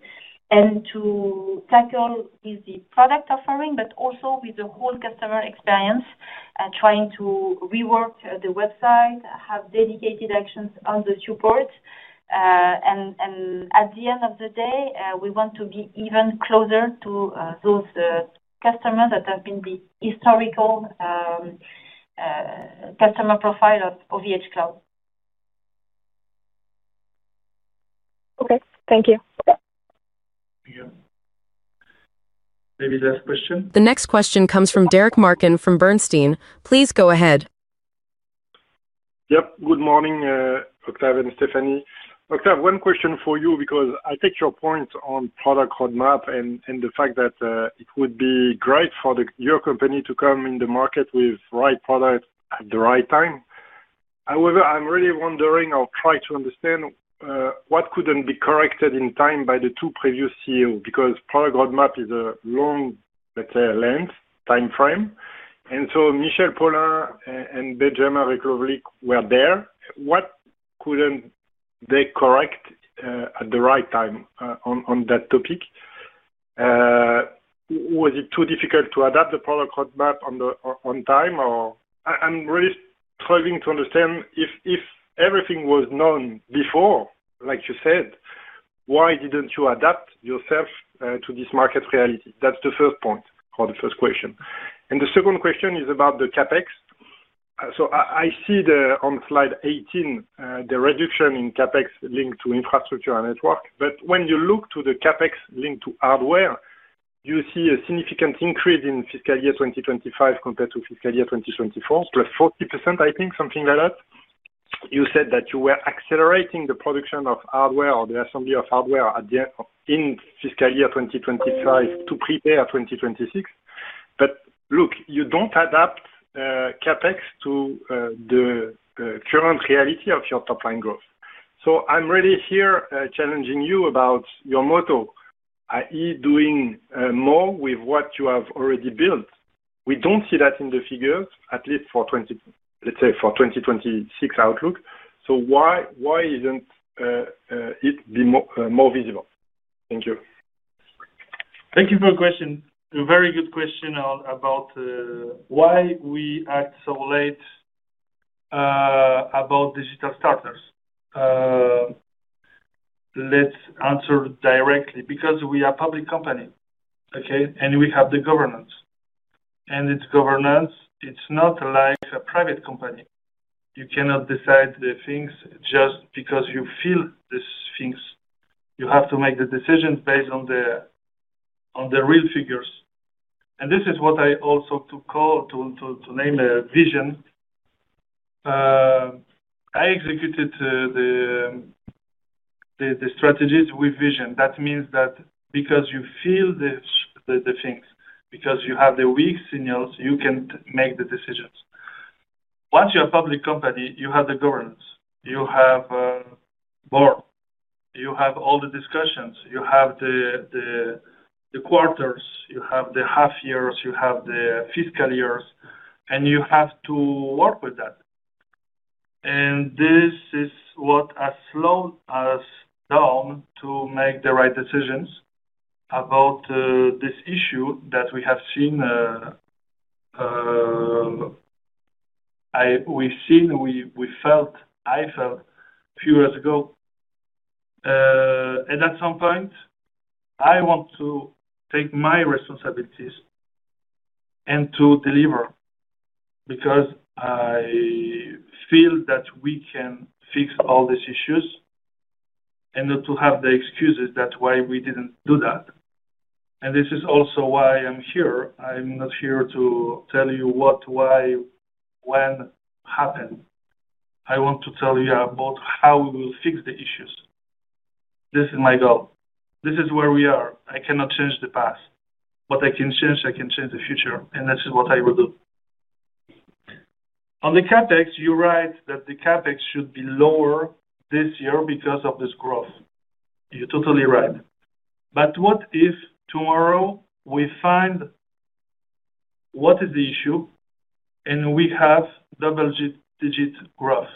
and to tackle with the product offering but also with the whole customer experience, trying to rework the website, have dedicated actions on the support, and at the end of the day we want to be even closer to those customers that have been the historical customer profile of OVHcloud. Okay, thank you. Maybe the last question. The next question comes from Derric Marcon from Bernstein. Please go ahead. Yep. Good morning Octave, Stéphanie. Octave, one question for you because I take your points on product roadmap and the fact that it would be great for your company to come in the market with right products at the right time. However, I'm really wondering. I'll try to understand what couldn't be corrected in time by the two previous CEOs because product roadmap is a long, let's say, length, time frame and so Michel Paulin and Benjamin Revcolevschi were there. What couldn't they correct at the right time? On that topic, was it too difficult to adapt the product roadmap on time? I'm really struggling to understand if everything was known before like you said, why didn't you adapt yourself to this market reality? That's the first point or the first question. The second question is about the CapEx. I see on slide 18 the reduction in CapEx linked to infrastructure and network, but when you look to the CapEx linked to hardware, you see a significant increase in fiscal year 2025 compared to fiscal year 2024, +40% I think, something like that. You said that you were accelerating the production of hardware or the assembly of hardware in fiscal year 2025 to prepare 2026. Look, you don't adapt CapEx to the current reality of your top line growth. I'm really here challenging you about your motto that is doing more with what you have already built. We don't see that in the figures, at least for, let's say, for 2026 outlook. Why isn't it more visible? Thank you. Thank you for the question, a very good question about why we act so late about Digital Starters. Let's answer directly. Because we are public company, okay? We have the governance and its governance. It's not like a private company. You cannot decide the things just because you feel these things. You have to make the decisions based on the real figures. This is what I also call to name a vision. I executed the strategies with vision. That means that because you feel the things, because you have the weak signals, you can make the decisions. Once you're a public company, you have the governance, you have board, you have all the discussions, you have the quarters, you have the half years, you have the fiscal years and you have to work with that. This is what has slowed us down to make the right decisions about this issue that we have seen. We've seen, we felt, I felt few years ago, at some point I want to take my responsibilities and to deliver because I feel that we can fix all these issues and not to have the excuses that why we didn't do that. This is also why I'm here. I'm not here to tell you what, why, when happen. I want to tell you about how we will fix the issues. This is my goal. This is where we are. I cannot change the past. What I can change, I can change the future. This is what I will do. On the capex, you write that the capex should be lower this year because of this growth. You're totally right. What if tomorrow we find what is the issue and we have double digit growth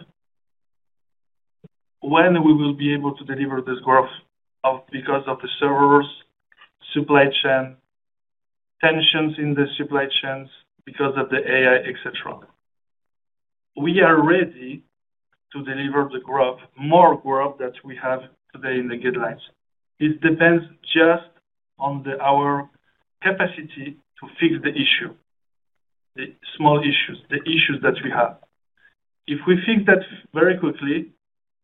when we will be able to deliver this growth because of the servers, supply chain, tensions in the supply chains, because of the AI, etc. We are ready to deliver the growth, more growth that we have today. In the guidelines, it depends just on our capacity to fix the issue, the small issues, the issues that we have. If we think that very quickly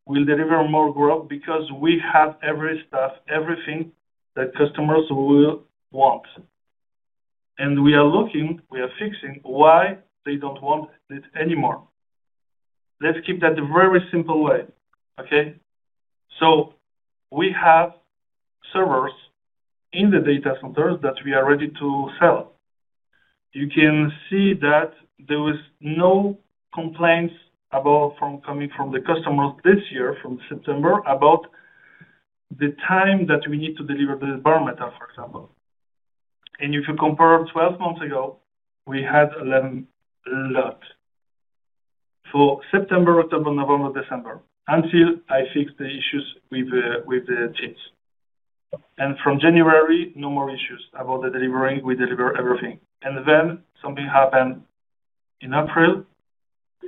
we'll deliver more growth because we have every stuff, everything that customers will want. We are looking, we are fixing why they don't want it anymore. Let's keep that the very simple way. Okay? We have servers in the data centers that we are ready to sell. You can see that there were no complaints coming from the customers this year. From September, about the time that we need to deliver the Bare Metal, for example. If you compare 12 months ago, we had a lot for September, October, November, December, until I fix the issues with the teams. From January, no more issues about the delivery. We deliver everything and then something happened in April.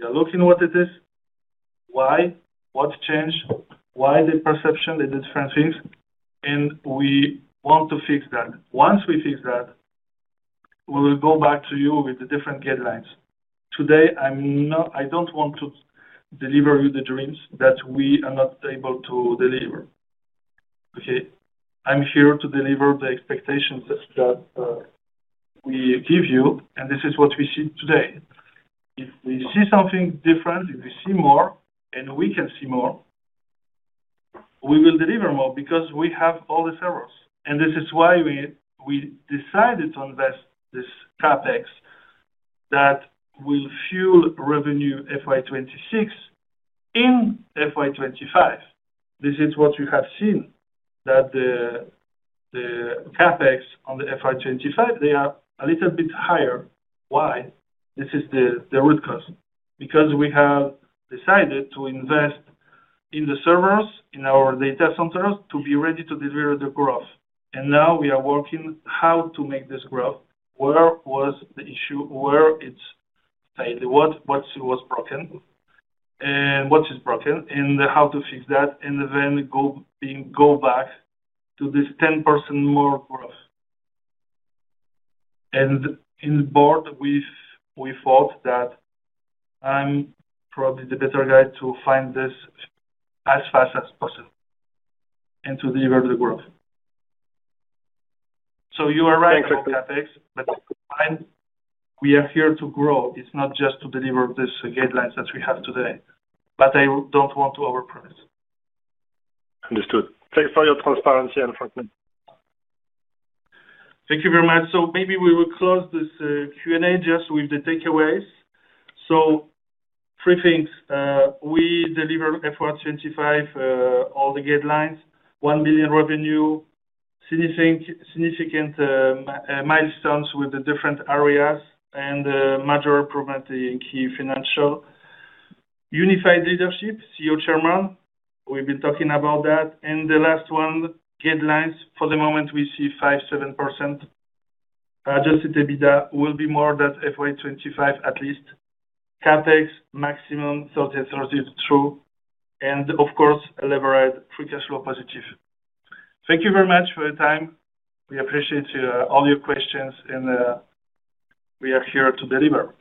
We are looking at what it is, why, what changed, why the perception. They did different things and we want to fix that. Once we fix that, we will go back to you with the different guidelines. Today, I don't want to deliver you the dreams that we are not able to deliver. Okay? I'm here to deliver the expectations that we give you. This is what we see today. If we see something different, if we see more and we can see more, we will deliver more because we have all these errors. This is why we decided to invest this capex that will fuel revenue FY 2026 in FY 2025. This is what you have seen, that the capex on the FY 2025, they are a little bit higher. Why? This is the root cause, because we have decided to invest in the servers in our data centers to be ready to deliver the growth. Now we are working how to make this growth. Where was the issue, where it's failed, what was broken and what is broken, and how to fix that and then go back to this 10% more growth. In board, we thought that I'm probably the better guy to find this as fast as possible and to deliver the growth. You are right. We are here to grow. It's not just to deliver these guidelines that we have today. I don't want to over promise. Understood. Thanks for your transparency and *crosstalk* Thank you very much. Maybe we will close this Q&A just with the takeaways. Three things: we deliver FY 2025, all the 1 million revenue significant milestones with the different areas and major improvement in key financial unified leadership, CEO Chairman, we've been talking about that, and the last one, guidelines for the moment, we see 5-7% Adjusted EBITDA, will be more than FY 2025 at least, CapEx maximum 30, and 30 is true, and of course, elaborate free cash flow positive. Thank you very much for your time. We appreciate all your questions and we are here to deliver.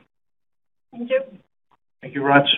Thank you. Thank you very much.